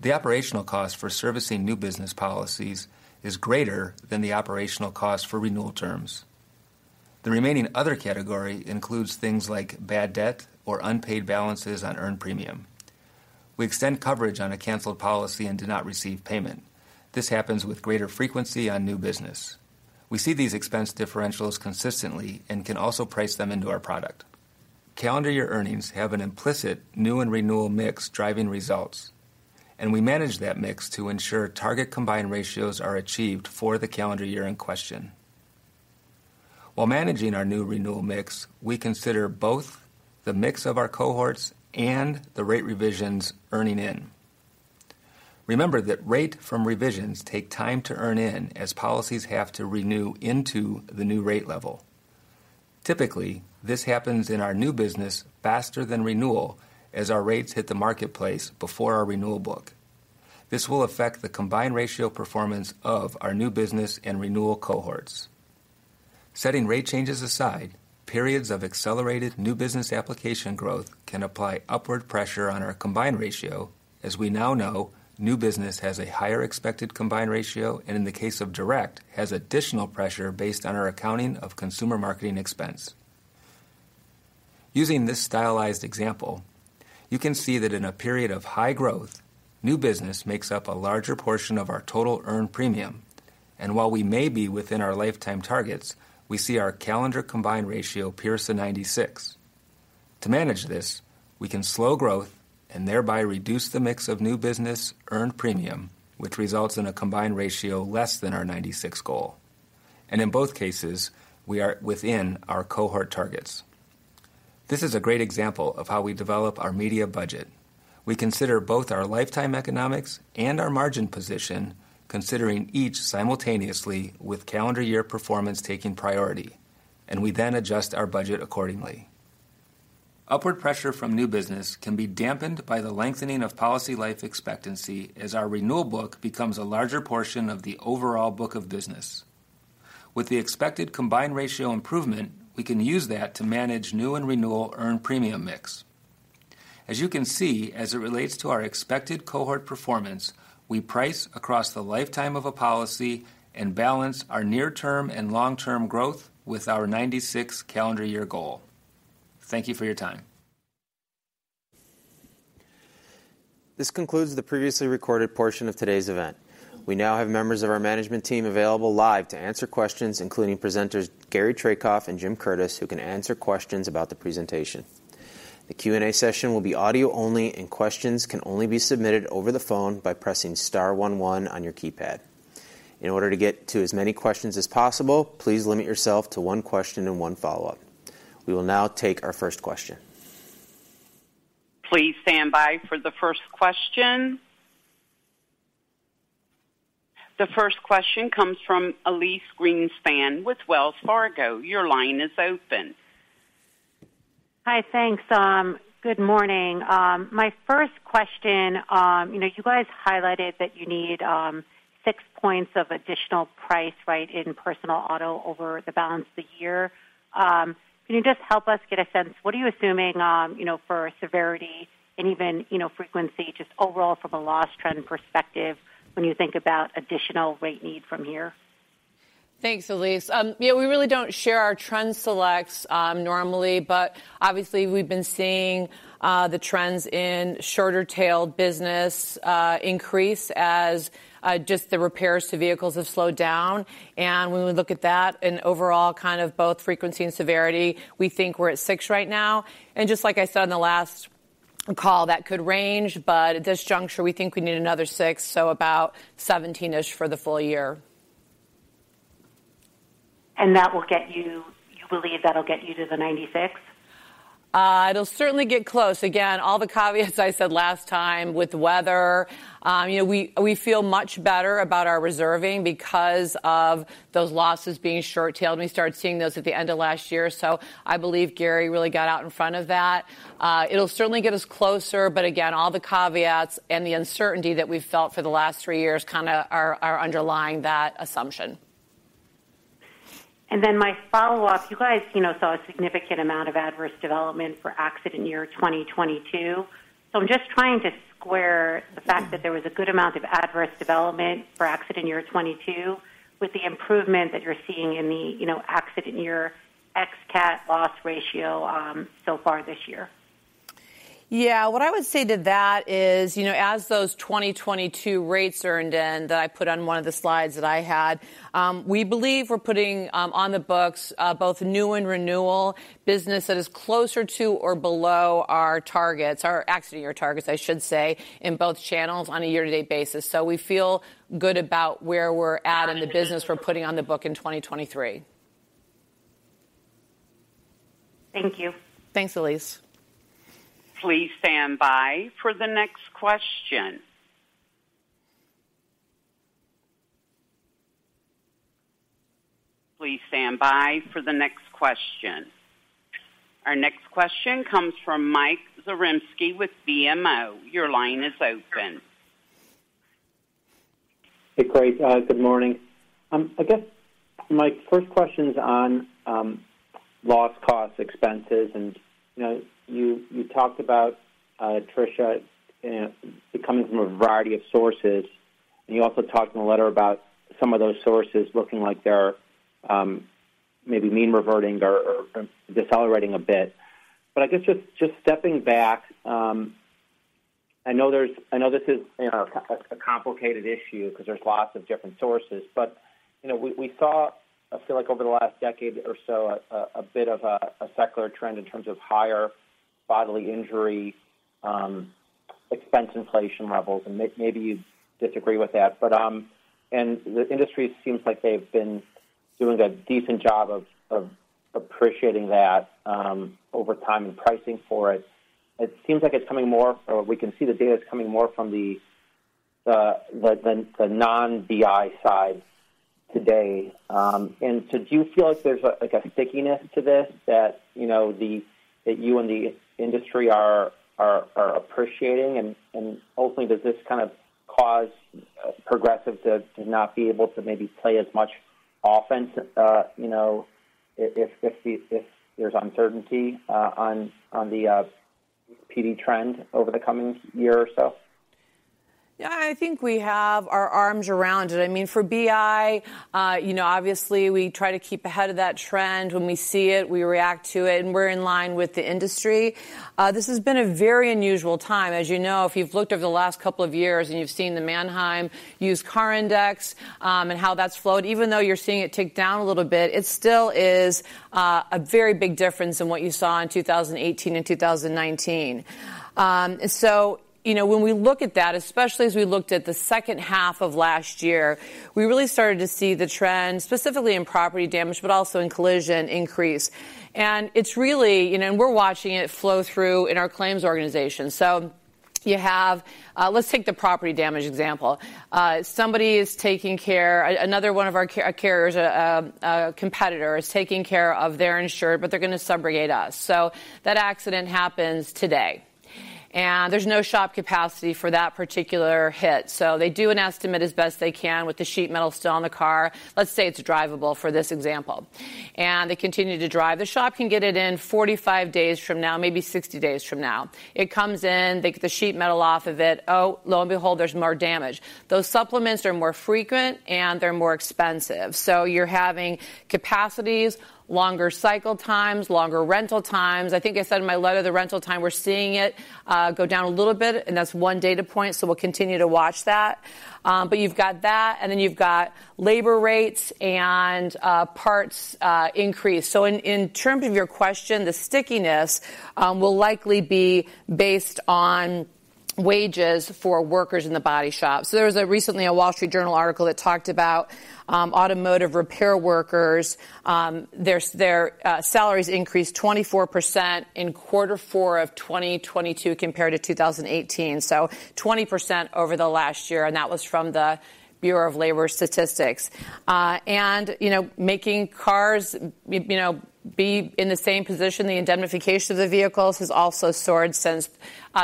The operational cost for servicing new business policies is greater than the operational cost for renewal terms. The remaining other category includes things like bad debt or unpaid balances on earned premium. We extend coverage on a canceled policy and do not receive payment. This happens with greater frequency on new business. We see these expense differentials consistently and can also price them into our product. Calendar year earnings have an implicit new and renewal mix driving results, and we manage that mix to ensure target combined ratios are achieved for the calendar year in question. While managing our new renewal mix, we consider both the mix of our cohorts and the rate revisions earning in. Remember that rate from revisions take time to earn in, as policies have to renew into the new rate level. Typically, this happens in our new business faster than renewal, as our rates hit the marketplace before our renewal book. This will affect the combined ratio performance of our new business and renewal cohorts. Setting rate changes aside, periods of accelerated new business application growth can apply upward pressure on our combined ratio. As we now know, new business has a higher expected combined ratio, and in the case of direct, has additional pressure based on our accounting of consumer marketing expense. Using this stylized example, you can see that in a period of high growth, new business makes up a larger portion of our total earned premium, and while we may be within our lifetime targets, we see our calendar combined ratio pierce the 96. To manage this, we can slow growth and thereby reduce the mix of new business earned premium, which results in a combined ratio less than our 96 goal. In both cases, we are within our cohort targets. This is a great example of how we develop our media budget. We consider both our lifetime economics and our margin position, considering each simultaneously with calendar year performance taking priority, and we then adjust our budget accordingly. Upward pressure from new business can be dampened by the lengthening of policy life expectancy, as our renewal book becomes a larger portion of the overall book of business. With the expected combined ratio improvement, we can use that to manage new and renewal earned premium mix. As you can see, as it relates to our expected cohort performance, we price across the lifetime of a policy and balance our near-term and long-term growth with our 96 calendar year goal. Thank you for your time.
This concludes the previously recorded portion of today's event. We now have members of our management team available live to answer questions, including presenters Gary Traicoff and Jim Curtis, who can answer questions about the presentation. The Q&A session will be audio only, and questions can only be submitted over the phone by pressing star one one on your keypad. In order to get to as many questions as possible, please limit yourself to one question and one follow-up. We will now take our first question.
Please stand by for the first question. The first question comes from Elyse Greenspan with Wells Fargo. Your line is open.
Hi, thanks. Good morning. My first question, you know, you guys highlighted that you need six points of additional price, right, in personal auto over the balance of the year. Can you just help us get a sense, what are you assuming, you know, for severity and even, you know, frequency, just overall from a loss trend perspective when you think about additional rate need from here?
Thanks, Elyse. Yeah, we really don't share our trend selects, normally, but obviously, we've been seeing, the trends in shorter tail business, increase as, just the repairs to vehicles have slowed down. When we look at that and overall kind of both frequency and severity, we think we're at six right now. Just like I said in the last call that could range, but at this juncture, we think we need another six, so about 17-ish for the full year.
That will get you, you believe that'll get you to the 96?
It'll certainly get close. Again, all the caveats I said last time with weather. You know, we, we feel much better about our reserving because of those losses being short-tailed, and we started seeing those at the end of last year. I believe Gary really got out in front of that. It'll certainly get us closer, but again, all the caveats and the uncertainty that we've felt for the last three years kinda are, are underlying that assumption.
My follow-up, you guys, you know, saw a significant amount of adverse development for accident year 2022. I'm just trying to square the fact that there was a good amount of adverse development for accident year 2022, with the improvement that you're seeing in the, you know, accident year ex-CAT loss ratio so far this year.
Yeah, what I would say to that is, you know, as those 2022 rates are earned in, that I put on one of the slides that I had, we believe we're putting on the books, both new and renewal business that is closer to or below our targets, our accident year targets, I should say, in both channels on a year-to-date basis. We feel good about where we're at in the business we're putting on the book in 2023.
Thank you.
Thanks, Elyse.
Please stand by for the next question. Please stand by for the next question. Our next question comes from Mike Zaremski with BMO. Your line is open.
Hey, great. Good morning. I guess my first question is on, loss cost, expenses. You know, you, you talked about, Tricia, you know, it coming from a variety of sources, and you also talked in a letter about some of those sources looking like they're, maybe mean reverting or, or decelerating a bit. I guess just, just stepping back, I know this is, you know, a, a complicated issue because there's lots of different sources. You know, we, we saw, I feel like over the last decade or so, a, a bit of a, a secular trend in terms of higher bodily injury, expense inflation levels, and maybe you disagree with that. The industry seems like they've been doing a decent job of, of appreciating that, over time and pricing for it. It seems like it's coming more, or we can see the data is coming more from the, the non-BI side today. So do you feel like there's a, like a stickiness to this that, you know, That you and the industry are, are, are appreciating? Ultimately, does this kind of cause Progressive to, to not be able to maybe play as much offense, you know, if, if the, if there's uncertainty on the PD trend over the coming year or so?
Yeah, I think we have our arms around it. I mean, for BI, you know, obviously, we try to keep ahead of that trend. When we see it, we react to it, and we're in line with the industry. This has been a very unusual time. As you know, if you've looked over the last couple of years and you've seen the Manheim Used Car Index, and how that's flowed, even though you're seeing it tick down a little bit, it still is a very big difference in what you saw in 2018 and 2019. So you know, when we look at that, especially as we looked at the second half of last year, we really started to see the trend, specifically in property damage, but also in collision increase. It's really, you know, and we're watching it flow through in our claims organization. You have. Let's take the property damage example. Somebody is taking care-- another one of our carriers, a competitor, is taking care of their insured, but they're going to subrogate us. That accident happens today, and there's no shop capacity for that particular hit. They do an estimate as best they can with the sheet metal still on the car. Let's say it's drivable for this example, and they continue to drive. The shop can get it in 45 days from now, maybe 60 days from now. It comes in, they get the sheet metal off of it. Oh, lo and behold, there's more damage. Those supplements are more frequent, and they're more expensive. You're having capacities, longer cycle times, longer rental times. I think I said in my letter, the rental time, we're seeing it go down a little bit, and that's one data point, so we'll continue to watch that. You've got that, and then you've got labor rates and parts increase. In, in terms of your question, the stickiness will likely be based on wages for workers in the body shop. There was a recently a Wall Street Journal article that talked about automotive repair workers, their salaries increased 24% in quarter four of 2022 compared to 2018, so 20% over the last year, and that was from the Bureau of Labor Statistics. You know, making cars, you know, be in the same position, the indemnification of the vehicles has also soared since,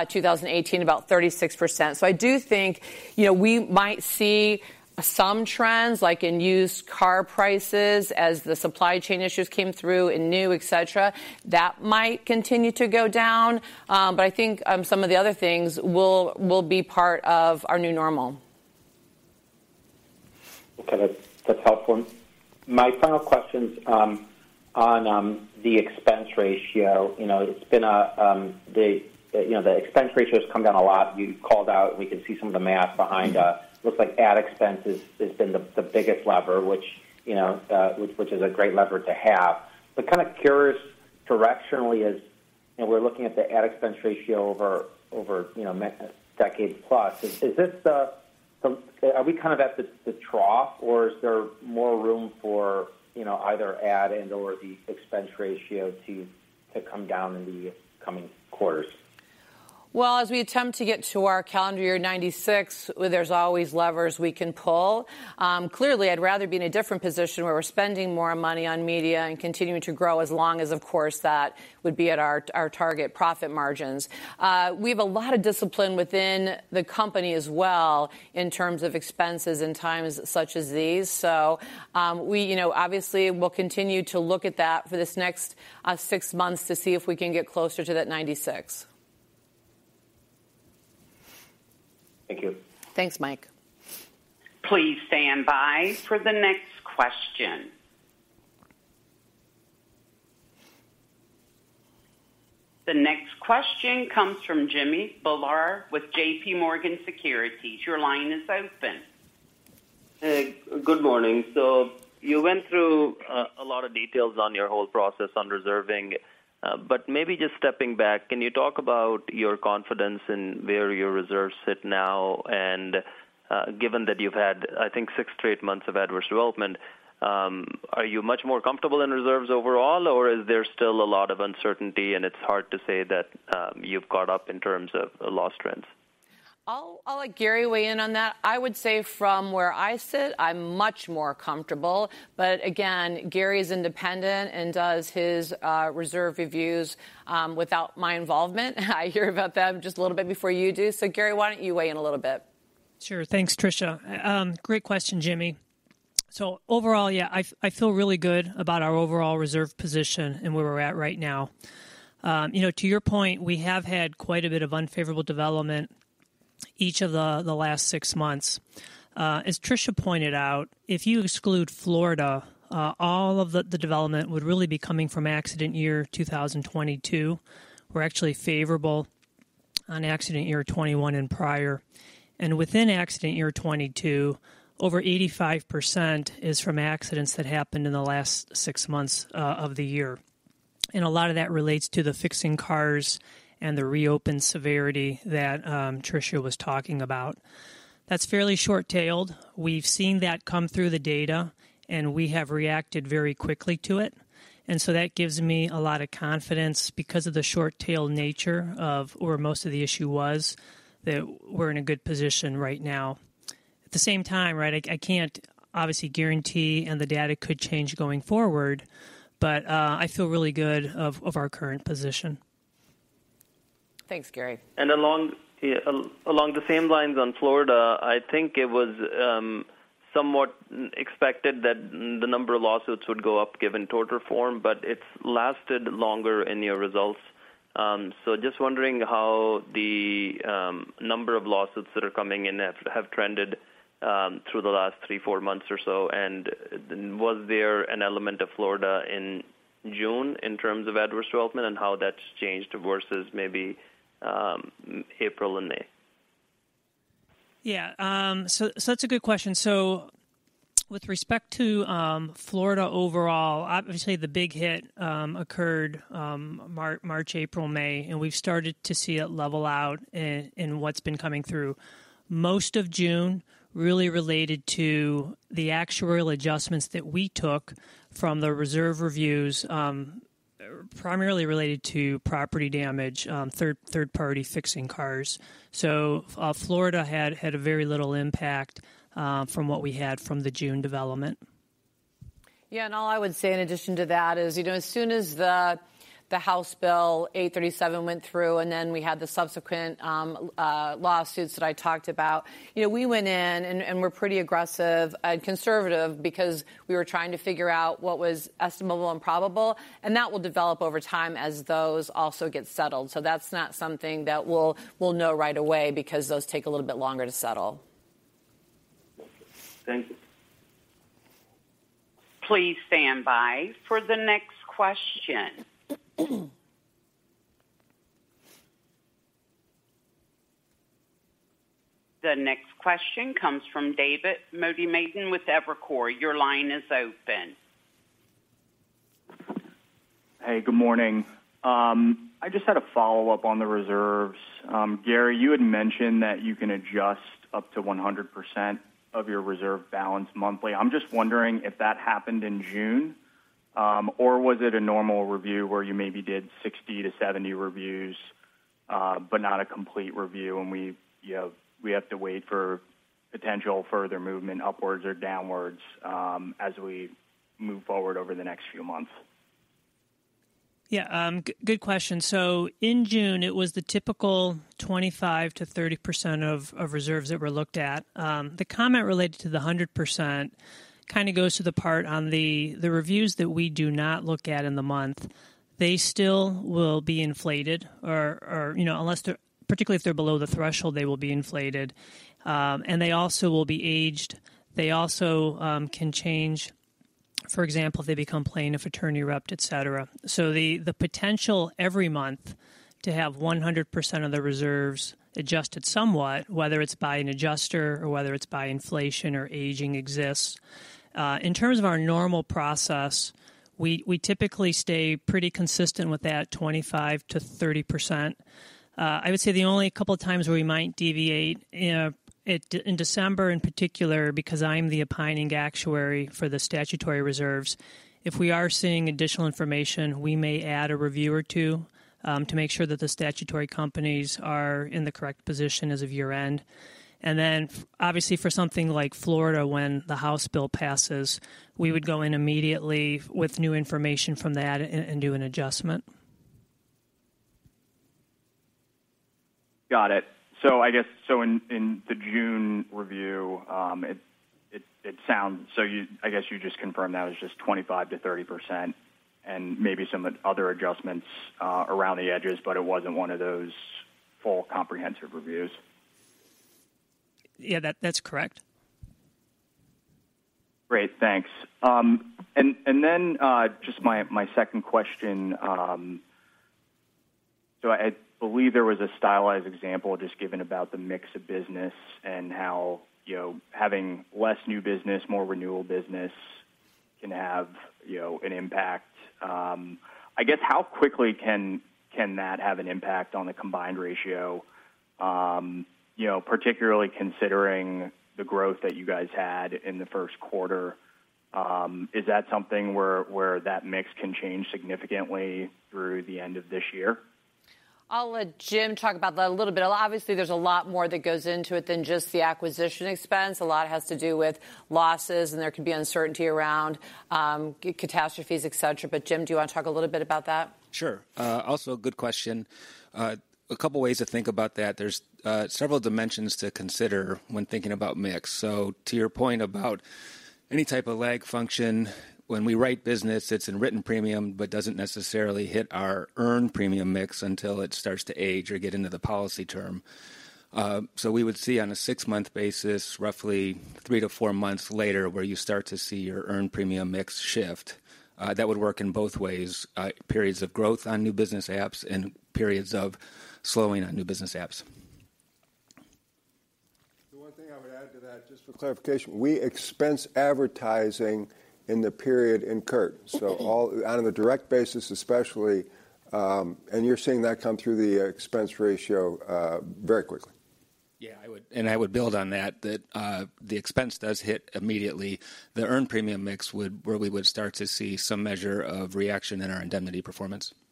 2018, about 36%. I do think, you know, we might see some trends, like in used car prices, as the supply chain issues came through in new, et cetera, that might continue to go down. I think, some of the other things will, will be part of our new normal.
Okay, that's, that's helpful. My final question's on the expense ratio. You know, it's been, you know, the expense ratio has come down a lot. You called out, we can see some of the math behind, looks like ad expense has been the biggest lever, which, you know, which is a great lever to have. Kind of curious, directionally, is, and we're looking at the ad expense ratio over, you know, decade plus. Are we kind of at the trough, or is there more room for, you know, either ad or the expense ratio to come down in the coming quarters?
Well, as we attempt to get to our calendar year 96, there's always levers we can pull. Clearly, I'd rather be in a different position where we're spending more money on media and continuing to grow, as long as, of course, that would be at our, our target profit margins. We have a lot of discipline within the company as well in terms of expenses in times such as these. We, you know, obviously will continue to look at that for this next 6 months to see if we can get closer to that 96.
Thank you.
Thanks, Mike.
Please stand by for the next question. The next question comes from Jimmy Bhullar with J.P. Morgan Securities. Your line is open.
Hey, good morning. You went through a lot of details on your whole process on reserving. But maybe just stepping back, can you talk about your confidence in where your reserves sit now? Given that you've had, I think, six straight months of adverse development, are you much more comfortable in reserves overall, or is there still a lot of uncertainty, and it's hard to say that you've caught up in terms of loss trends?
I'll, I'll let Gary weigh in on that. I would say from where I sit, I'm much more comfortable. Again, Gary's independent and does his reserve reviews, without my involvement. I hear about them just a little bit before you do. Gary, why don't you weigh in a little bit?
Sure. Thanks, Tricia. Great question, Jimmy. Overall, yeah, I feel really good about our overall reserve position and where we're at right now. You know, to your point, we have had quite a bit of unfavorable development each of the last six months. As Tricia pointed out, if you exclude Florida, all of the development would really be coming from accident year 2022. We're actually favorable on accident year 2021 and prior. Within accident year 2022, over 85% is from accidents that happened in the last six months of the year. A lot of that relates to the fixing cars and the reopened severity that Tricia was talking about. That's fairly short-tailed. We've seen that come through the data, and we have reacted very quickly to it, and so that gives me a lot of confidence because of the short-tailed nature of where most of the issue was, that we're in a good position right now. At the same time, right, I, I can't obviously guarantee, and the data could change going forward, but, I feel really good of, of our current position.
Thanks, Gary.
Along the same lines on Florida, I think it was, somewhat expected that the number of lawsuits would go up given tort reform. It's lasted longer in your results. Just wondering how the number of lawsuits that are coming in have trended through the last 3, 4 months or so. Was there an element of Florida in June in terms of adverse development, and how that's changed versus maybe April and May?
Yeah, so that's a good question. With respect to Florida overall, obviously, the big hit occurred March, April, May, and we've started to see it level out in what's been coming through. Most of June really related to the actuarial adjustments that we took from the reserve reviews, primarily related to property damage, third-party fixing cars. Florida had a very little impact from what we had from the June development.
All I would say in addition to that is, you know, as soon as House Bill 837 went through, and then we had the subsequent lawsuits that I talked about, you know, we went in and we're pretty aggressive and conservative because we were trying to figure out what was estimable and probable, and that will develop over time as those also get settled. That's not something that we'll know right away because those take a little bit longer to settle.
Thank you.
Please stand by for the next question. The next question comes from David Motemaden with Evercore. Your line is open.
Hey, good morning. I just had a follow-up on the reserves. Gary, you had mentioned that you can adjust up to 100% of your reserve balance monthly. I'm just wondering if that happened in June, or was it a normal review where you maybe did 60-70 reviews, but not a complete review, and we, you know, we have to wait for potential further movement upwards or downwards, as we move forward over the next few months?
Yeah, good question. In June, it was the typical 25%-30% of reserves that were looked at. The comment related to the 100% kind of goes to the part on the reviews that we do not look at in the month. They still will be inflated or, you know, unless they're particularly if they're below the threshold, they will be inflated. And they also will be aged. They also can change, for example, if they become plaintiff attorney repped, et cetera. The potential every month to have 100% of the reserves adjusted somewhat, whether it's by an adjuster or whether it's by inflation or aging exists. In terms of our normal process, we typically stay pretty consistent with that 25%-30%. I would say the only couple of times where we might deviate in it, in December, in particular, because I'm the opining actuary for the statutory reserves. If we are seeing additional information, we may add a review or two to make sure that the statutory companies are in the correct position as of year-end. Obviously, for something like Florida, when the House Bill passes, we would go in immediately with new information from that and do an adjustment.
Got it. I guess, so in the June review, it sounds so you, I guess you just confirmed that was just 25%-30%, and maybe some other adjustments, around the edges, but it wasn't one of those full comprehensive reviews?
Yeah, that, that's correct.
Great, thanks. Just my, my second question, I believe there was a stylized example just given about the mix of business and how, you know, having less new business, more renewal business can have, you know, an impact. I guess, how quickly can, can that have an impact on the combined ratio? You know, particularly considering the growth that you guys had in the first quarter, is that something where, where that mix can change significantly through the end of this year?
I'll let Jim talk about that a little bit. Obviously, there's a lot more that goes into it than just the acquisition expense. A lot has to do with losses, and there could be uncertainty around, catastrophes, et cetera. Jim, do you want to talk a little bit about that?
Sure. Also a good question. A couple ways to think about that. There's several dimensions to consider when thinking about mix. To your point about any type of lag function, when we write business, it's in written premium, but doesn't necessarily hit our earned premium mix until it starts to age or get into the policy term. We would see on a six-month basis, roughly 3-4 months later, where you start to see your earned premium mix shift. That would work in both ways, periods of growth on new business apps and periods of slowing on new business apps.
The one thing I would add to that, just for clarification, we expense advertising in the period incurred. All-- on a direct basis, especially, and you're seeing that come through the expense ratio very quickly.
Yeah, I would. I would build on that, that the expense does hit immediately. The earned premium mix would, where we would start to see some measure of reaction in our indemnity performance.
Thank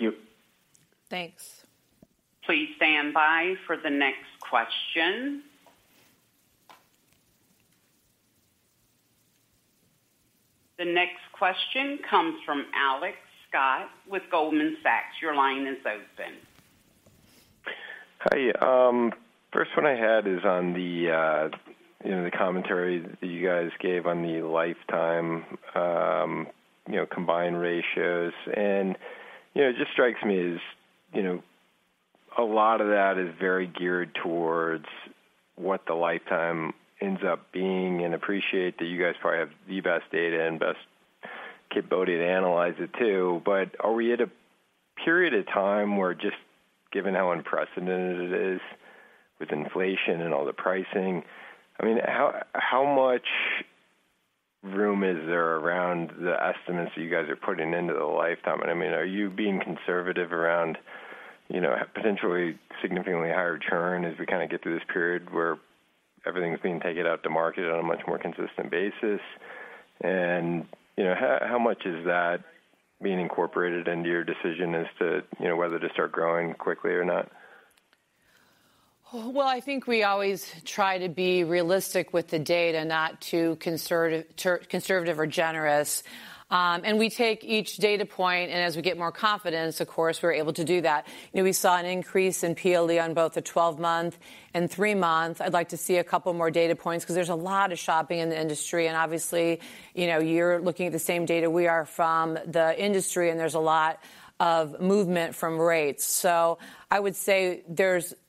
you.
Thanks.
Please stand by for the next question. The next question comes from Alex Scott with Goldman Sachs. Your line is open.
Hi, first one I had is on the, you know, the commentary that you guys gave on the lifetime, you know, combined ratios. You know, it just strikes me as, you know, a lot of that is very geared towards what the lifetime ends up being, and appreciate that you guys probably have the best data and best capability to analyze it, too. Are we at a period of time where, just given how unprecedented it is with inflation and all the pricing, I mean, how, how much room is there around the estimates that you guys are putting into the lifetime? I mean, are you being conservative around, you know, potentially significantly higher churn as we kind of get through this period where everything's being taken out to market on a much more consistent basis? you know, how, how much is that being incorporated into your decision as to, you know, whether to start growing quickly or not?
Well, I think we always try to be realistic with the data, not too conservative or generous. We take each data point, and as we get more confidence, of course, we're able to do that. You know, we saw an increase in PLE on both the 12-month and three-month. I'd like to see a couple more data points because there's a lot of shopping in the industry, and obviously, you know, you're looking at the same data we are from the industry, and there's a lot of movement from rates. I would say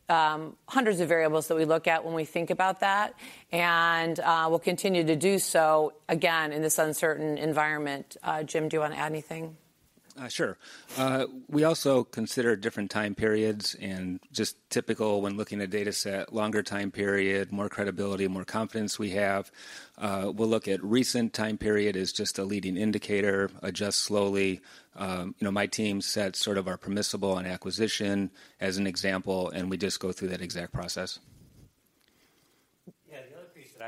there's hundreds of variables that we look at when we think about that, and we'll continue to do so again in this uncertain environment. Jim, do you want to add anything?
Sure. We also consider different time periods and just typical when looking at data set, longer time period, more credibility, more confidence we have. We'll look at recent time period as just a leading indicator, adjust slowly. You know, my team sets sort of our permissible and acquisition as an example, and we just go through that exact process.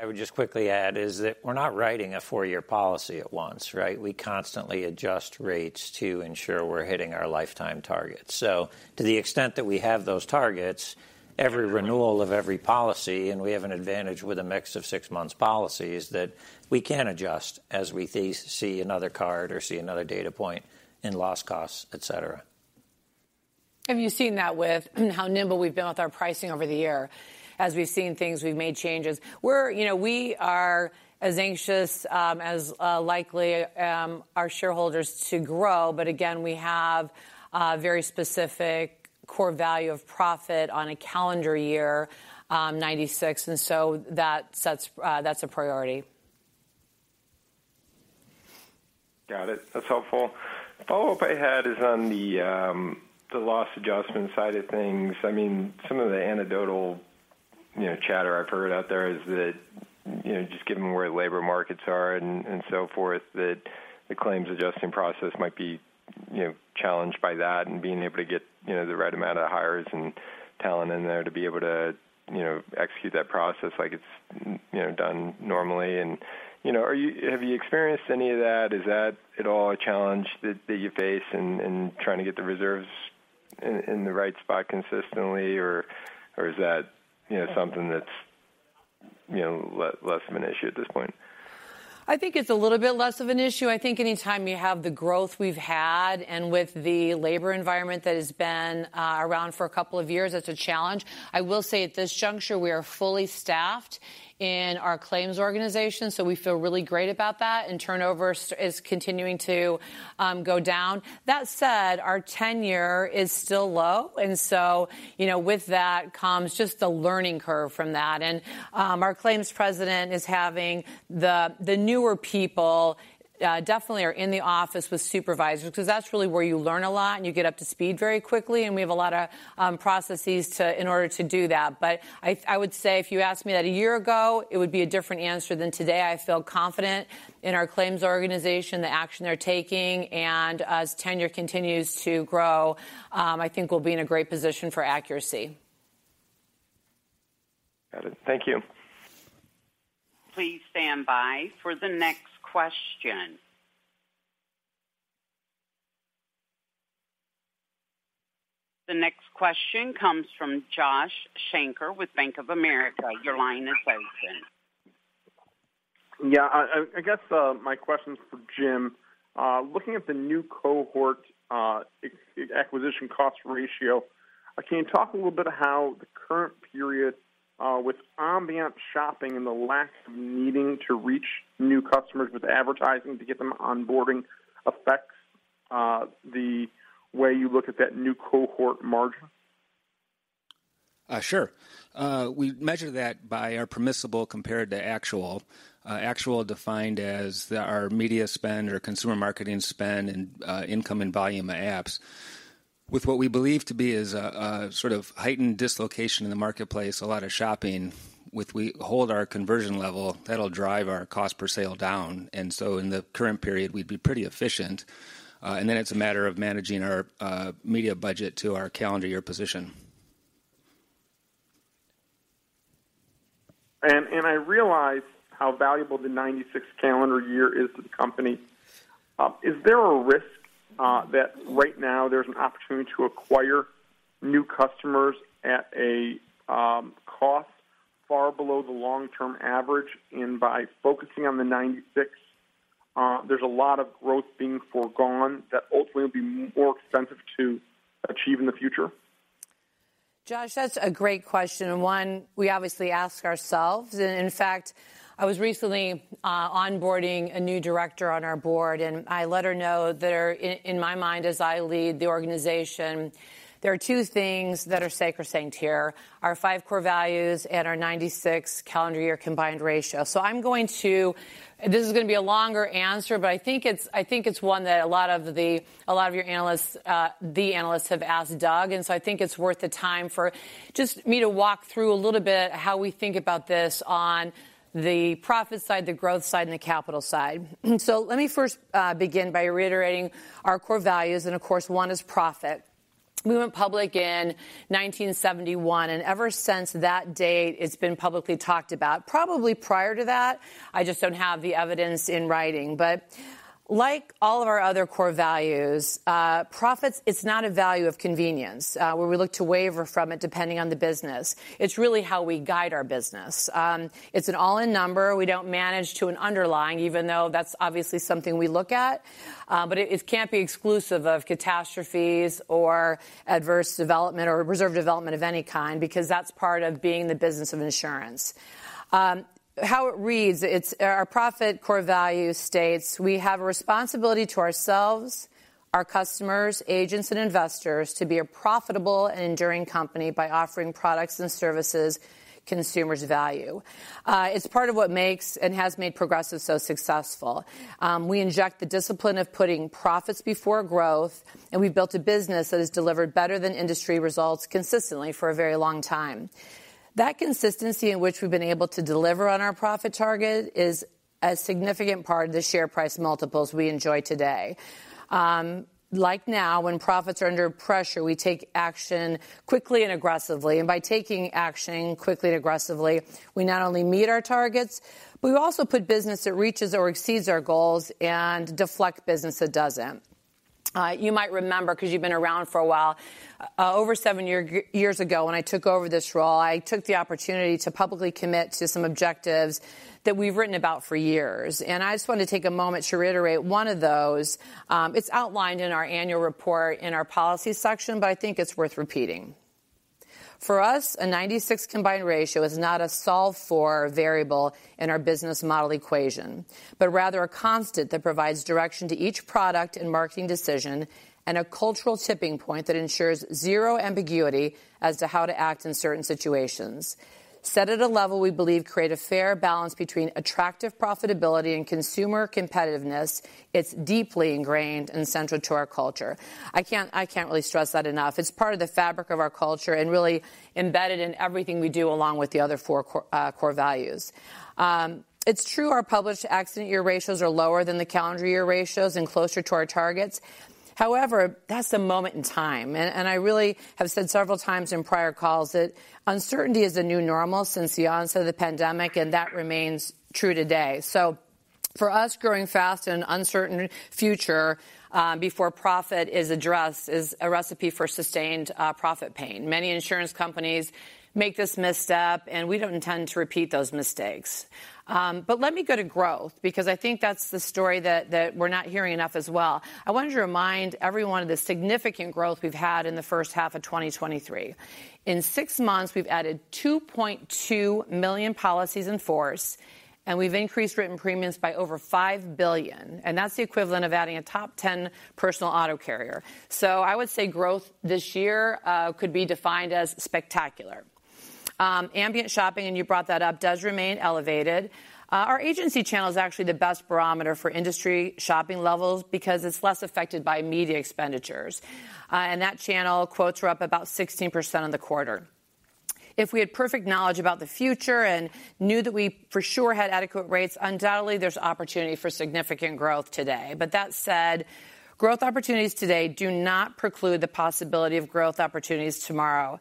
Yeah, the other piece that I would just quickly add is that we're not writing a four-year policy at once, right? We constantly adjust rates to ensure we're hitting our lifetime targets. To the extent that we have those targets, every renewal of every policy, and we have an advantage with a mix of six months policies, that we can adjust as we see another card or see another data point in loss costs, et cetera.
You've seen that with how nimble we've been with our pricing over the year. As we've seen things, we've made changes. You know, we are as anxious as likely our shareholders to grow, but again, we have a very specific core value of profit on a calendar year, 96, and so that sets, that's a priority.
Got it. That's helpful. The follow-up I had is on the, the loss adjustment side of things. I mean, some of the anecdotal, you know, chatter I've heard out there is that, you know, just given where labor markets are and, and so forth, that the claims adjusting process might be, you know, challenged by that, and being able to get, you know, the right amount of hires and talent in there to be able to, you know, execute that process like it's, you know, done normally. You know, have you experienced any of that? Is that at all a challenge that, that you face in, in trying to get the reserves in, in the right spot consistently, or, or is that, you know, something that's, you know, less of an issue at this point?
I think it's a little bit less of an issue. I think anytime you have the growth we've had, and with the labor environment that has been around for a couple of years, that's a challenge. I will say at this juncture, we are fully staffed in our claims organization, so we feel really great about that, and turnover is continuing to go down. That said, our tenure is still low, and so, you know, with that comes just the learning curve from that. And our claims president is having the, the newer people, definitely are in the office with supervisors, because that's really where you learn a lot, and you get up to speed very quickly, and we have a lot of processes in order to do that. I, I would say if you asked me that a year ago, it would be a different answer than today. I feel confident in our claims organization, the action they're taking, and as tenure continues to grow, I think we'll be in a great position for accuracy.
Got it. Thank you.
Please stand by for the next question. The next question comes from Josh Shanker with Bank of America. Your line is open.
Yeah, I, I, I guess, my question is for Jim. Looking at the new cohort, acquisition cost ratio, can you talk a little bit of how the current period, with ambient shopping and the lack of needing to reach new customers with advertising to get them onboarding, affects, the way you look at that new cohort margin?
Sure. We measure that by our permissible compared to actual. Actual defined as the, our media spend or consumer marketing spend and income and volume apps. With what we believe to be is a, a sort of heightened dislocation in the marketplace, a lot of shopping, if we hold our conversion level, that'll drive our cost per sale down, and so in the current period, we'd be pretty efficient. Then it's a matter of managing our media budget to our calendar year position.
And I realize how valuable the 96 calendar year is to the company. Is there a risk that right now there's an opportunity to acquire new customers at a cost far below the long-term average, and by focusing on the 96, there's a lot of growth being foregone that ultimately will be more expensive to achieve in the future?
Josh, that's a great question, one we obviously ask ourselves. In fact, I was recently onboarding a new director on our board, and I let her know that in my mind, as I lead the organization, there are two things that are sacrosanct here: our five core values and our 96 calendar year combined ratio. This is going to be a longer answer, but I think it's, I think it's one that a lot of the, a lot of your analysts, the analysts have asked, Doug, I think it's worth the time for just me to walk through a little bit how we think about this on the profit side, the growth side, and the capital side. Let me first begin by reiterating our core values, of course, one is profit. We went public in 1971. Ever since that date, it's been publicly talked about. Probably prior to that, I just don't have the evidence in writing. Like all of our other core values, profits, it's not a value of convenience, where we look to waver from it depending on the business. It's really how we guide our business. It's an all-in number. We don't manage to an underlying, even though that's obviously something we look at, it, it can't be exclusive of catastrophes or adverse development or reserve development of any kind, because that's part of being the business of insurance. How it reads, it's. Our profit core value states: We have a responsibility to ourselves, our customers, agents, and investors to be a profitable and enduring company by offering products and services consumers value. It's part of what makes and has made Progressive so successful. We inject the discipline of putting profits before growth, and we've built a business that has delivered better than industry results consistently for a very long time. That consistency in which we've been able to deliver on our profit target is a significant part of the share price multiples we enjoy today. Like now, when profits are under pressure, we take action quickly and aggressively. By taking action quickly and aggressively, we not only meet our targets, but we also put business that reaches or exceeds our goals and deflect business that doesn't. You might remember, because you've been around for a while, over seven years ago, when I took over this role, I took the opportunity to publicly commit to some objectives that we've written about for years, and I just want to take a moment to reiterate one of those. It's outlined in our annual report in our policy section, but I think it's worth repeating. For us, a 96 combined ratio is not a solve for variable in our business model equation, but rather a constant that provides direction to each product and marketing decision and a cultural tipping point that ensures zero ambiguity as to how to act in certain situations. Set at a level we believe create a fair balance between attractive profitability and consumer competitiveness, it's deeply ingrained and central to our culture. I can't, I can't really stress that enough. It's part of the fabric of our culture and really embedded in everything we do, along with the other four core values. It's true our published accident year ratios are lower than the calendar year ratios and closer to our targets. However, that's a moment in time, and I really have said several times in prior calls that uncertainty is the new normal since the onset of the pandemic, and that remains true today. For us, growing fast in an uncertain future, before profit is addressed, is a recipe for sustained profit pain. Many insurance companies make this misstep, and we don't intend to repeat those mistakes. Let me go to growth, because I think that's the story that we're not hearing enough as well. I wanted to remind everyone of the significant growth we've had in the first half of 2023. In six months, we've added 2.2 million policies in force, and we've increased written premiums by over $5 billion, and that's the equivalent of adding a top 10 personal auto carrier. I would say growth this year could be defined as spectacular. Ambient shopping, and you brought that up, does remain elevated. Our agency channel is actually the best barometer for industry shopping levels because it's less affected by media expenditures. And that channel quotes were up about 16% in the quarter. If we had perfect knowledge about the future and knew that we for sure had adequate rates, undoubtedly there's opportunity for significant growth today. That said, growth opportunities today do not preclude the possibility of growth opportunities tomorrow.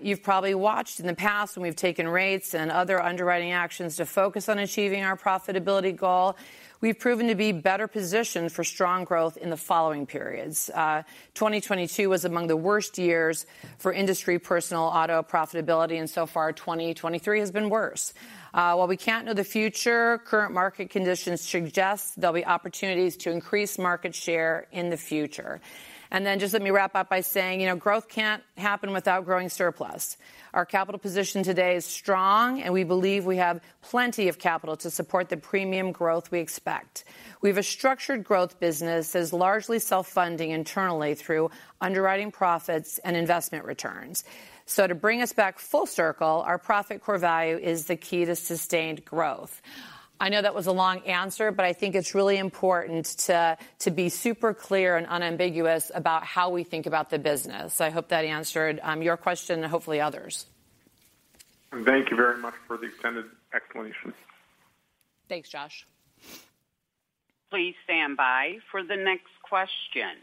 You've probably watched in the past when we've taken rates and other underwriting actions to focus on achieving our profitability goal. We've proven to be better positioned for strong growth in the following periods. 2022 was among the worst years for industry personal auto profitability, and so far, 2023 has been worse. While we can't know the future, current market conditions suggest there'll be opportunities to increase market share in the future. Just let me wrap up by saying, you know, growth can't happen without growing surplus. Our capital position today is strong, and we believe we have plenty of capital to support the premium growth we expect. We have a structured growth business that's largely self-funding internally through underwriting profits and investment returns. To bring us back full circle, our profit core value is the key to sustained growth. I know that was a long answer, I think it's really important to be super clear and unambiguous about how we think about the business. I hope that answered your question and hopefully others.
Thank you very much for the extended explanation.
Thanks, Josh.
Please stand by for the next question.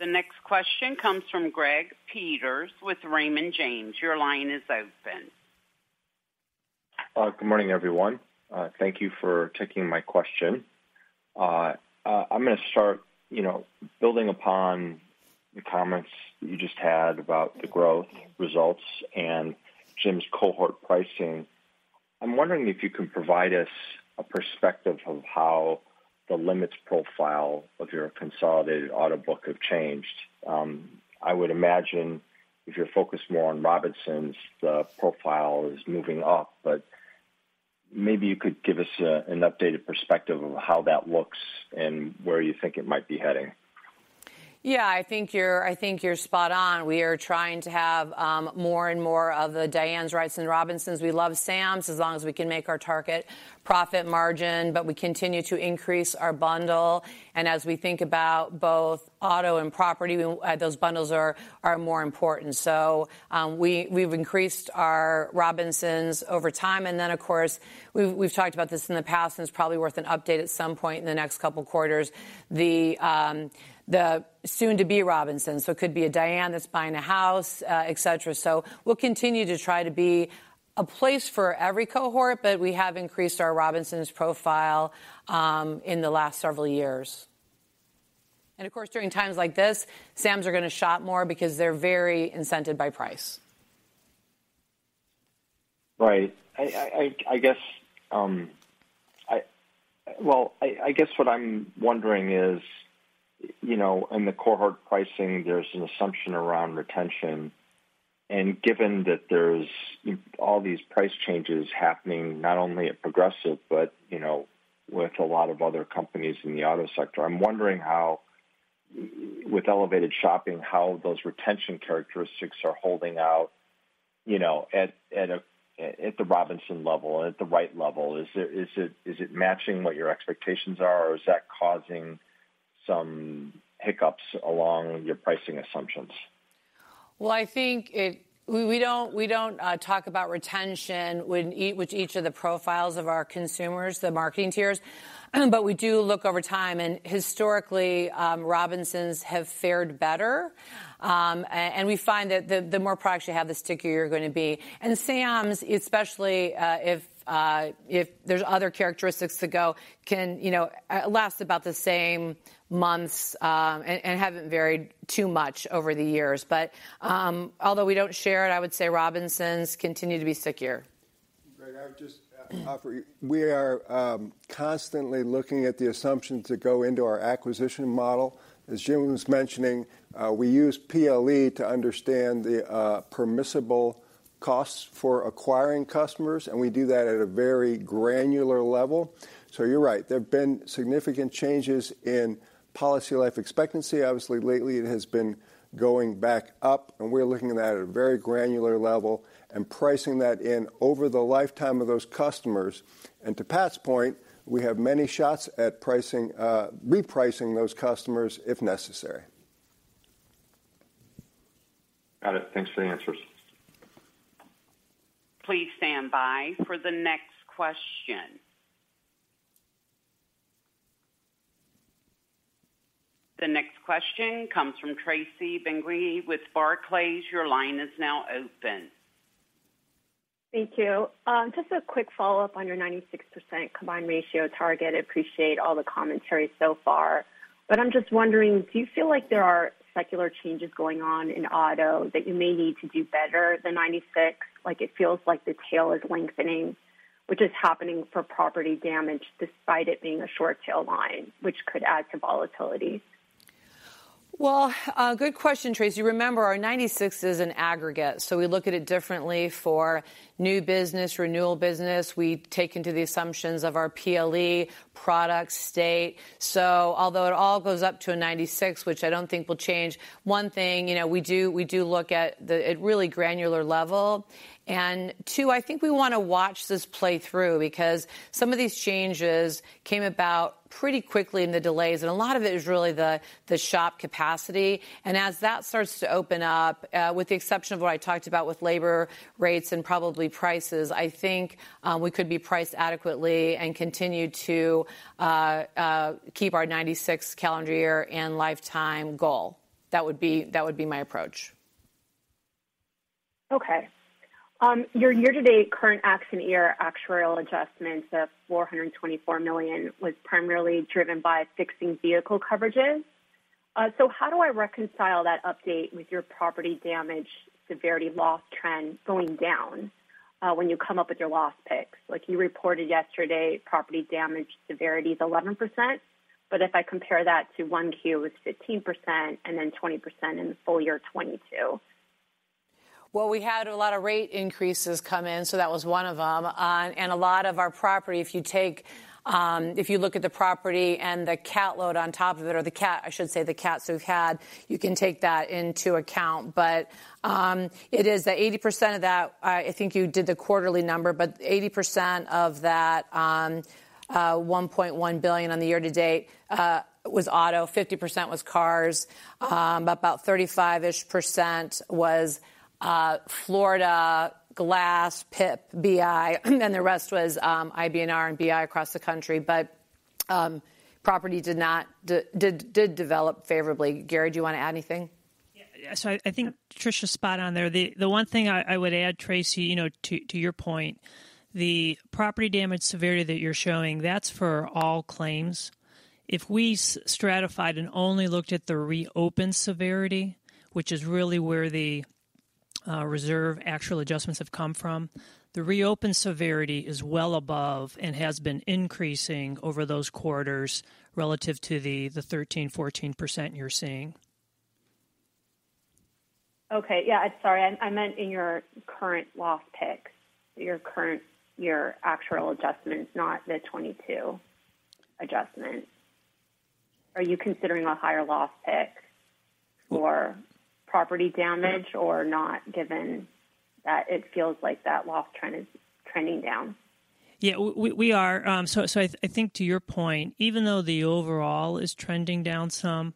The next question comes from Greg Peters with Raymond James. Your line is open.
Good morning, everyone. Thank you for taking my question. I'm going to start, you know, building upon the comments you just had about the growth results and Jim's cohort pricing. I'm wondering if you can provide us a perspective of how the limits profile of your consolidated auto book have changed. I would imagine if you're focused more on Robinsons, the profile is moving up, but maybe you could give us an updated perspective of how that looks and where you think it might be heading.
Yeah, I think you're, I think you're spot on. We are trying to have more and more of the Dianes Wrights than Robinsons. We love Sams as long as we can make our target profit margin. We continue to increase our bundle, and as we think about both auto and property, those bundles are more important. We, we've increased our Robinsons over time, and then, of course, we've, we've talked about this in the past, and it's probably worth an update at some point in the next couple of quarters, the soon-to-be Robinsons. It could be a Diane that's buying a house, et cetera. We'll continue to try to be a place for every cohort, but we have increased our Robinsons profile in the last several years. Of course, during times like this, Sams are going to shop more because they're very incented by price.
Right. I guess, well, I guess what I'm wondering is, you know, in the cohort pricing, there's an assumption around retention, and given that there's all these price changes happening, not only at Progressive but, you know, with a lot of other companies in the auto sector, I'm wondering how, with elevated shopping, how those retention characteristics are holding out, you know, at the Robinson level and at the Wright level. Is it, is it, is it matching what your expectations are, or is that causing some hiccups along your pricing assumptions?
Well, I think we, we don't, we don't talk about retention with each, with each of the profiles of our consumers, the marketing tiers, but we do look over time, and historically, Robinsons have fared better. We find that the, the more products you have, the stickier you're going to be. Sams, especially, if there's other characteristics to go, can, you know, last about the same months, and, and haven't varied too much over the years. Although we don't share it, I would say Robinsons continue to be stickier.
I would just offer you, we are constantly looking at the assumptions that go into our acquisition model. As Jim was mentioning, we use PLE to understand the permissible costs for acquiring customers, and we do that at a very granular level. You're right, there have been significant changes in policy life expectancy. Obviously, lately it has been going back up, and we're looking at that at a very granular level and pricing that in over the lifetime of those customers. To Pat's point, we have many shots at pricing, repricing those customers if necessary.
Got it. Thanks for the answers.
Please stand by for the next question. The next question comes from Tracy Benguigui with Barclays. Your line is now open.
Thank you. Just a quick follow-up on your 96% combined ratio target. I appreciate all the commentary so far, but I'm just wondering, do you feel like there are secular changes going on in auto that you may need to do better than 96? Like, it feels like the tail is lengthening, which is happening for property damage, despite it being a short tail line, which could add to volatility.
Well, good question, Tracy. You remember, our 96 is an aggregate, so we look at it differently for new business, renewal business. We take into the assumptions of our PLE product state. So although it all goes up to a 96, which I don't think will change, one thing, you know, we do, we do look at the really granular level. Two, I think we want to watch this play through because some of these changes came about pretty quickly in the delays, and a lot of it is really the shop capacity. As that starts to open up, with the exception of what I talked about with labor rates and probably prices, I think, we could be priced adequately and continue to, keep our 96 calendar year and lifetime goal. That would be, that would be my approach.
Okay. Your year-to-date current accident year, actuarial adjustments of $424 million was primarily driven by fixing vehicle coverages. How do I reconcile that update with your property damage severity loss trend going down when you come up with your loss picks? Like you reported yesterday, property damage severity is 11%, but if I compare that to 1Q, it's 15% and then 20% in full year 2022.
We had a lot of rate increases come in, so that was one of them. A lot of our property, if you take, if you look at the property and the cat load on top of it, or the cat, I should say, the cats we've had, you can take that into account. It is that 80% of that, I think you did the quarterly number, but 80% of that $1.1 billion on the year to date was auto, 50% was cars. About 35%-ish was Florida, glass, PIP, BI, and the rest was IBNR and BI across the country. Property did not, did develop favorably. Gary, do you want to add anything?
Yeah. I, I think Tricia's spot on there. The one thing I, I would add, Tracy, you know, to, to your point, the property damage severity that you're showing, that's for all claims. If we stratified and only looked at the reopened severity, which is really where the reserve actual adjustments have come from, the reopened severity is well above and has been increasing over those quarters relative to the 13%, 14% you're seeing.
Okay. Yeah, sorry, I meant in your current loss picks, your actual adjustments, not the 2022 adjustments. Are you considering a higher loss pick for property damage or not, given that it feels like that loss trend is trending down?
Yeah, we, we are. I, I think to your point, even though the overall is trending down some,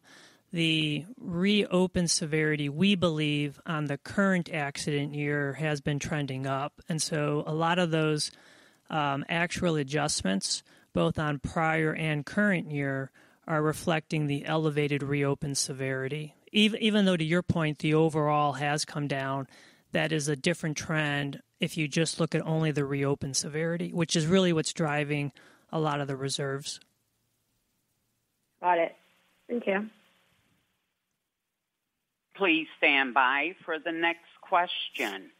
the reopened severity, we believe on the current accident year, has been trending up. A lot of those actual adjustments, both on prior and current year, are reflecting the elevated reopened severity. Even though, to your point, the overall has come down, that is a different trend if you just look at only the reopened severity, which is really what's driving a lot of the reserves.
Got it. Thank you.
Please stand by for the next question.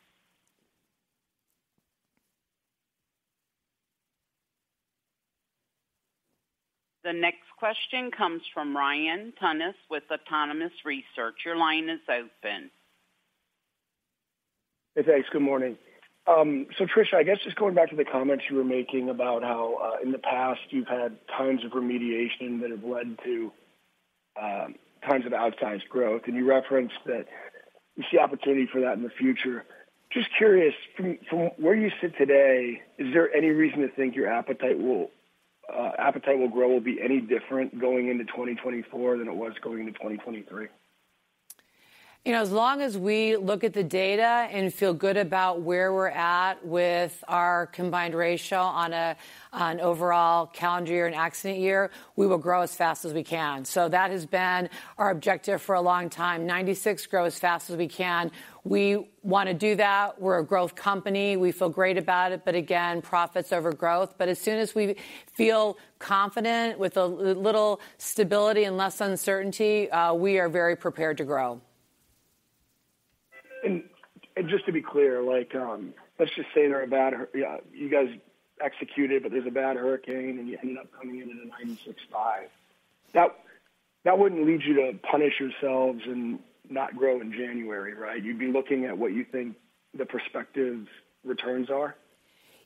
The next question comes from Ryan Tunis with Autonomous Research. Your line is open.
Hey, thanks. Good morning. Tricia, I guess just going back to the comments you were making about how in the past you've had times of remediation that have led to times of outsized growth. You referenced that you see opportunity for that in the future. Just curious, from where you sit today, is there any reason to think your appetite will grow, will be any different going into 2024 than it was going into 2023?
You know, as long as we look at the data and feel good about where we're at with our combined ratio on an overall calendar year and accident year, we will grow as fast as we can. That has been our objective for a long time. 96, grow as fast as we can. We want to do that. We're a growth company. We feel great about it, but again, profits over growth. As soon as we feel confident with a little stability and less uncertainty, we are very prepared to grow.
And just to be clear, like, let's just say they're a bad Yeah, you guys executed, but there's a bad hurricane, and you end up coming in at a 96.5%. That, that wouldn't lead you to punish yourselves and not grow in January, right? You'd be looking at what you think the prospective returns are?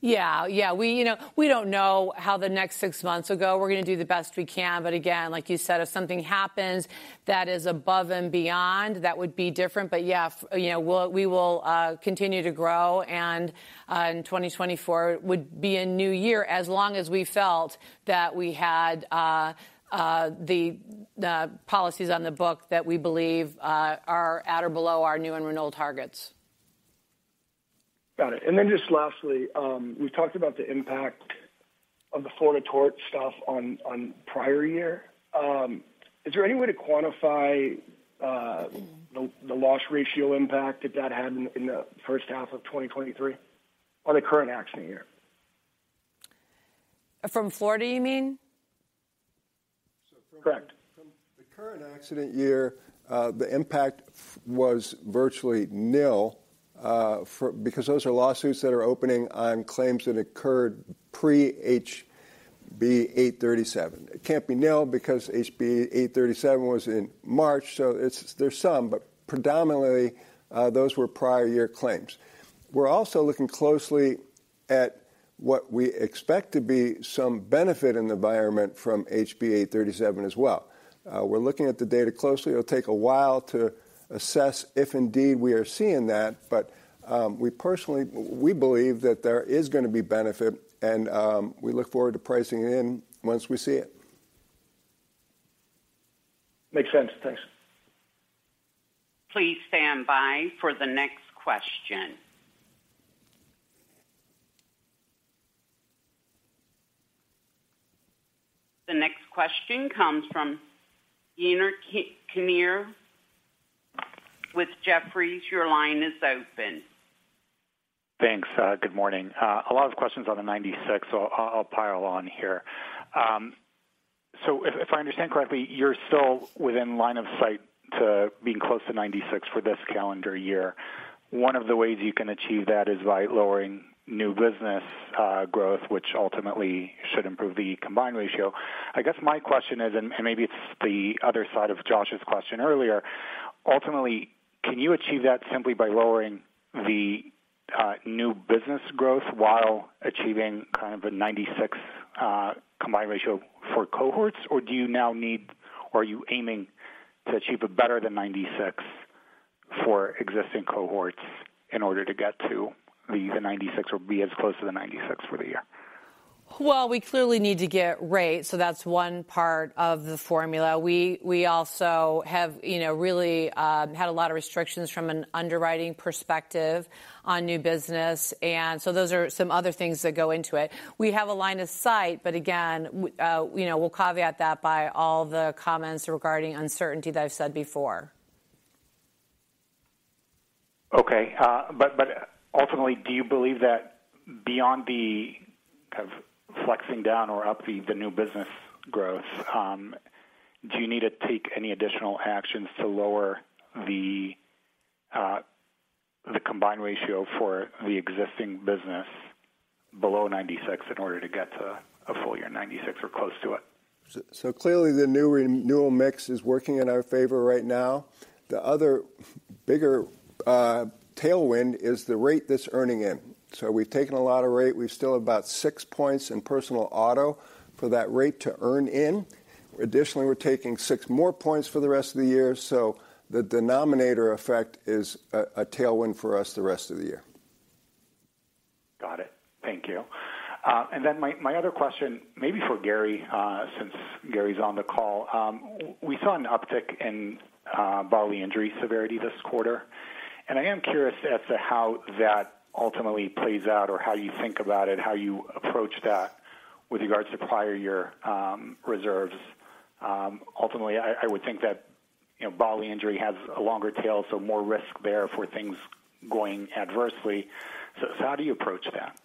Yeah. Yeah, we, you know, we don't know how the next six months will go. We're gonna do the best we can, but again, like you said, if something happens that is above and beyond, that would be different. Yeah, you know, we will continue to grow, and in 2024 would be a new year, as long as we felt that we had the policies on the book that we believe are at or below our new and renewal targets.
Got it. Just lastly, we've talked about the impact of the Florida tort stuff on, on prior year. Is there any way to quantify, the, the loss ratio impact that that had in, in the first half of 2023, or the current accident year?
From Florida, you mean?
Correct.
From the current accident year, the impact was virtually nil. Because those are lawsuits that are opening on claims that occurred pre-HB 837. It can't be nil because HB 837 was in March, so there's some, but predominantly, those were prior year claims. We're also looking closely at what we expect to be some benefit in the environment from HB 837 as well. We're looking at the data closely. It'll take a while to assess if indeed we are seeing that, but we personally, we believe that there is gonna be benefit, and we look forward to pricing it in once we see it.
Makes sense. Thanks.
Please stand by for the next question. The next question comes from Yaron Kinar with Jefferies. Your line is open.
Thanks. Good morning. A lot of questions on the 96, so I'll, I'll pile on here. If, if I understand correctly, you're still within line of sight to being close to 96 for this calendar year. One of the ways you can achieve that is by lowering new business growth, which ultimately should improve the combined ratio. I guess my question is, and maybe it's the other side of Josh's question earlier: Ultimately, can you achieve that simply by lowering the new business growth while achieving kind of a 96 combined ratio for cohorts? Are you aiming to achieve a better than 96 for existing cohorts in order to get to the 96 or be as close to the 96 for the year?
Well, we clearly need to get rate, so that's one part of the formula. We, we also have, you know, really, had a lot of restrictions from an underwriting perspective on new business, and so those are some other things that go into it. We have a line of sight, but again, you know, we'll caveat that by all the comments regarding uncertainty that I've said before.
Ultimately, do you believe that beyond the kind of flexing down or up the, the new business growth, do you need to take any additional actions to lower the combined ratio for the existing business below 96 in order to get to a full year 96 or close to it?
Clearly, the new renewal mix is working in our favor right now. The other bigger tailwind is the rate that's earning in. We've taken a lot of rate. We've still about six points in personal auto for that rate to earn in. Additionally, we're taking six more points for the rest of the year, the denominator effect is a tailwind for us the rest of the year.
Got it. Thank you. My other question, maybe for Gary, since Gary's on the call. We saw an uptick in bodily injury severity this quarter, and I am curious as to how that ultimately plays out or how you think about it, how you approach that with regards to prior year reserves. Ultimately, I would think that, you know, bodily injury has a longer tail, so more risk there for things going adversely. How do you approach that?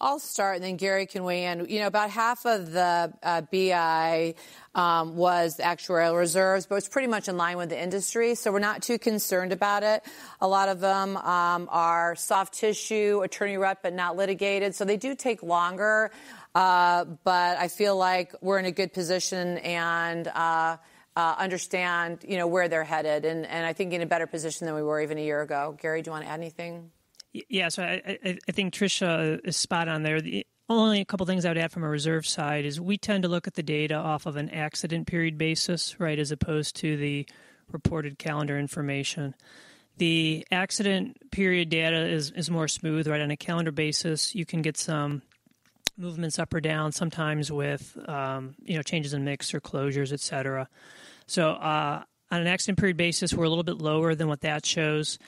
I'll start, and then Gary can weigh in. You know, about half of the BI was actuarial reserves, but it's pretty much in line with the industry, so we're not too concerned about it. A lot of them are soft tissue, attorney rep, but not litigated, so they do take longer. I feel like we're in a good position and understand, you know, where they're headed, and I think in a better position than we were even a year ago. Gary, do you want to add anything?
Yes, I, I, I think Tricia is spot on there. The only a couple of things I would add from a reserve side is, we tend to look at the data off of an accident period basis, right? As opposed to the reported calendar information. The accident period data is, is more smooth, right? On a calendar basis, you can get some movements up or down, sometimes with, you know, changes in mix or closures, et cetera. So, on an accident period basis, we're a little bit lower than what that shows.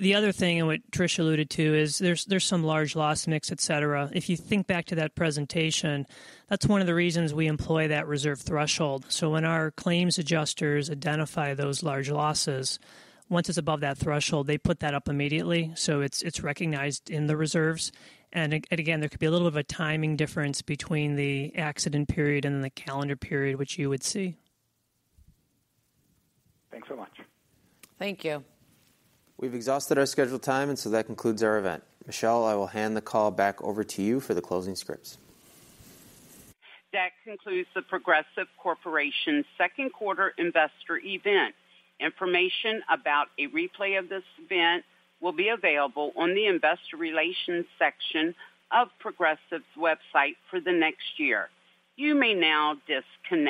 The other thing, and what Tricia alluded to, is there's, there's some large loss mix, et cetera. If you think back to that presentation, that's one of the reasons we employ that reserve threshold. When our claims adjusters identify those large losses, once it's above that threshold, they put that up immediately, so it's, it's recognized in the reserves. Again, there could be a little of a timing difference between the accident period and the calendar period, which you would see.
Thanks so much.
Thank you.
We've exhausted our scheduled time, and so that concludes our event. Michelle, I will hand the call back over to you for the closing scripts.
That concludes The Progressive Corporation's second quarter investor event. Information about a replay of this event will be available on the Investor Relations section of Progressive's website for the next year. You may now disconnect.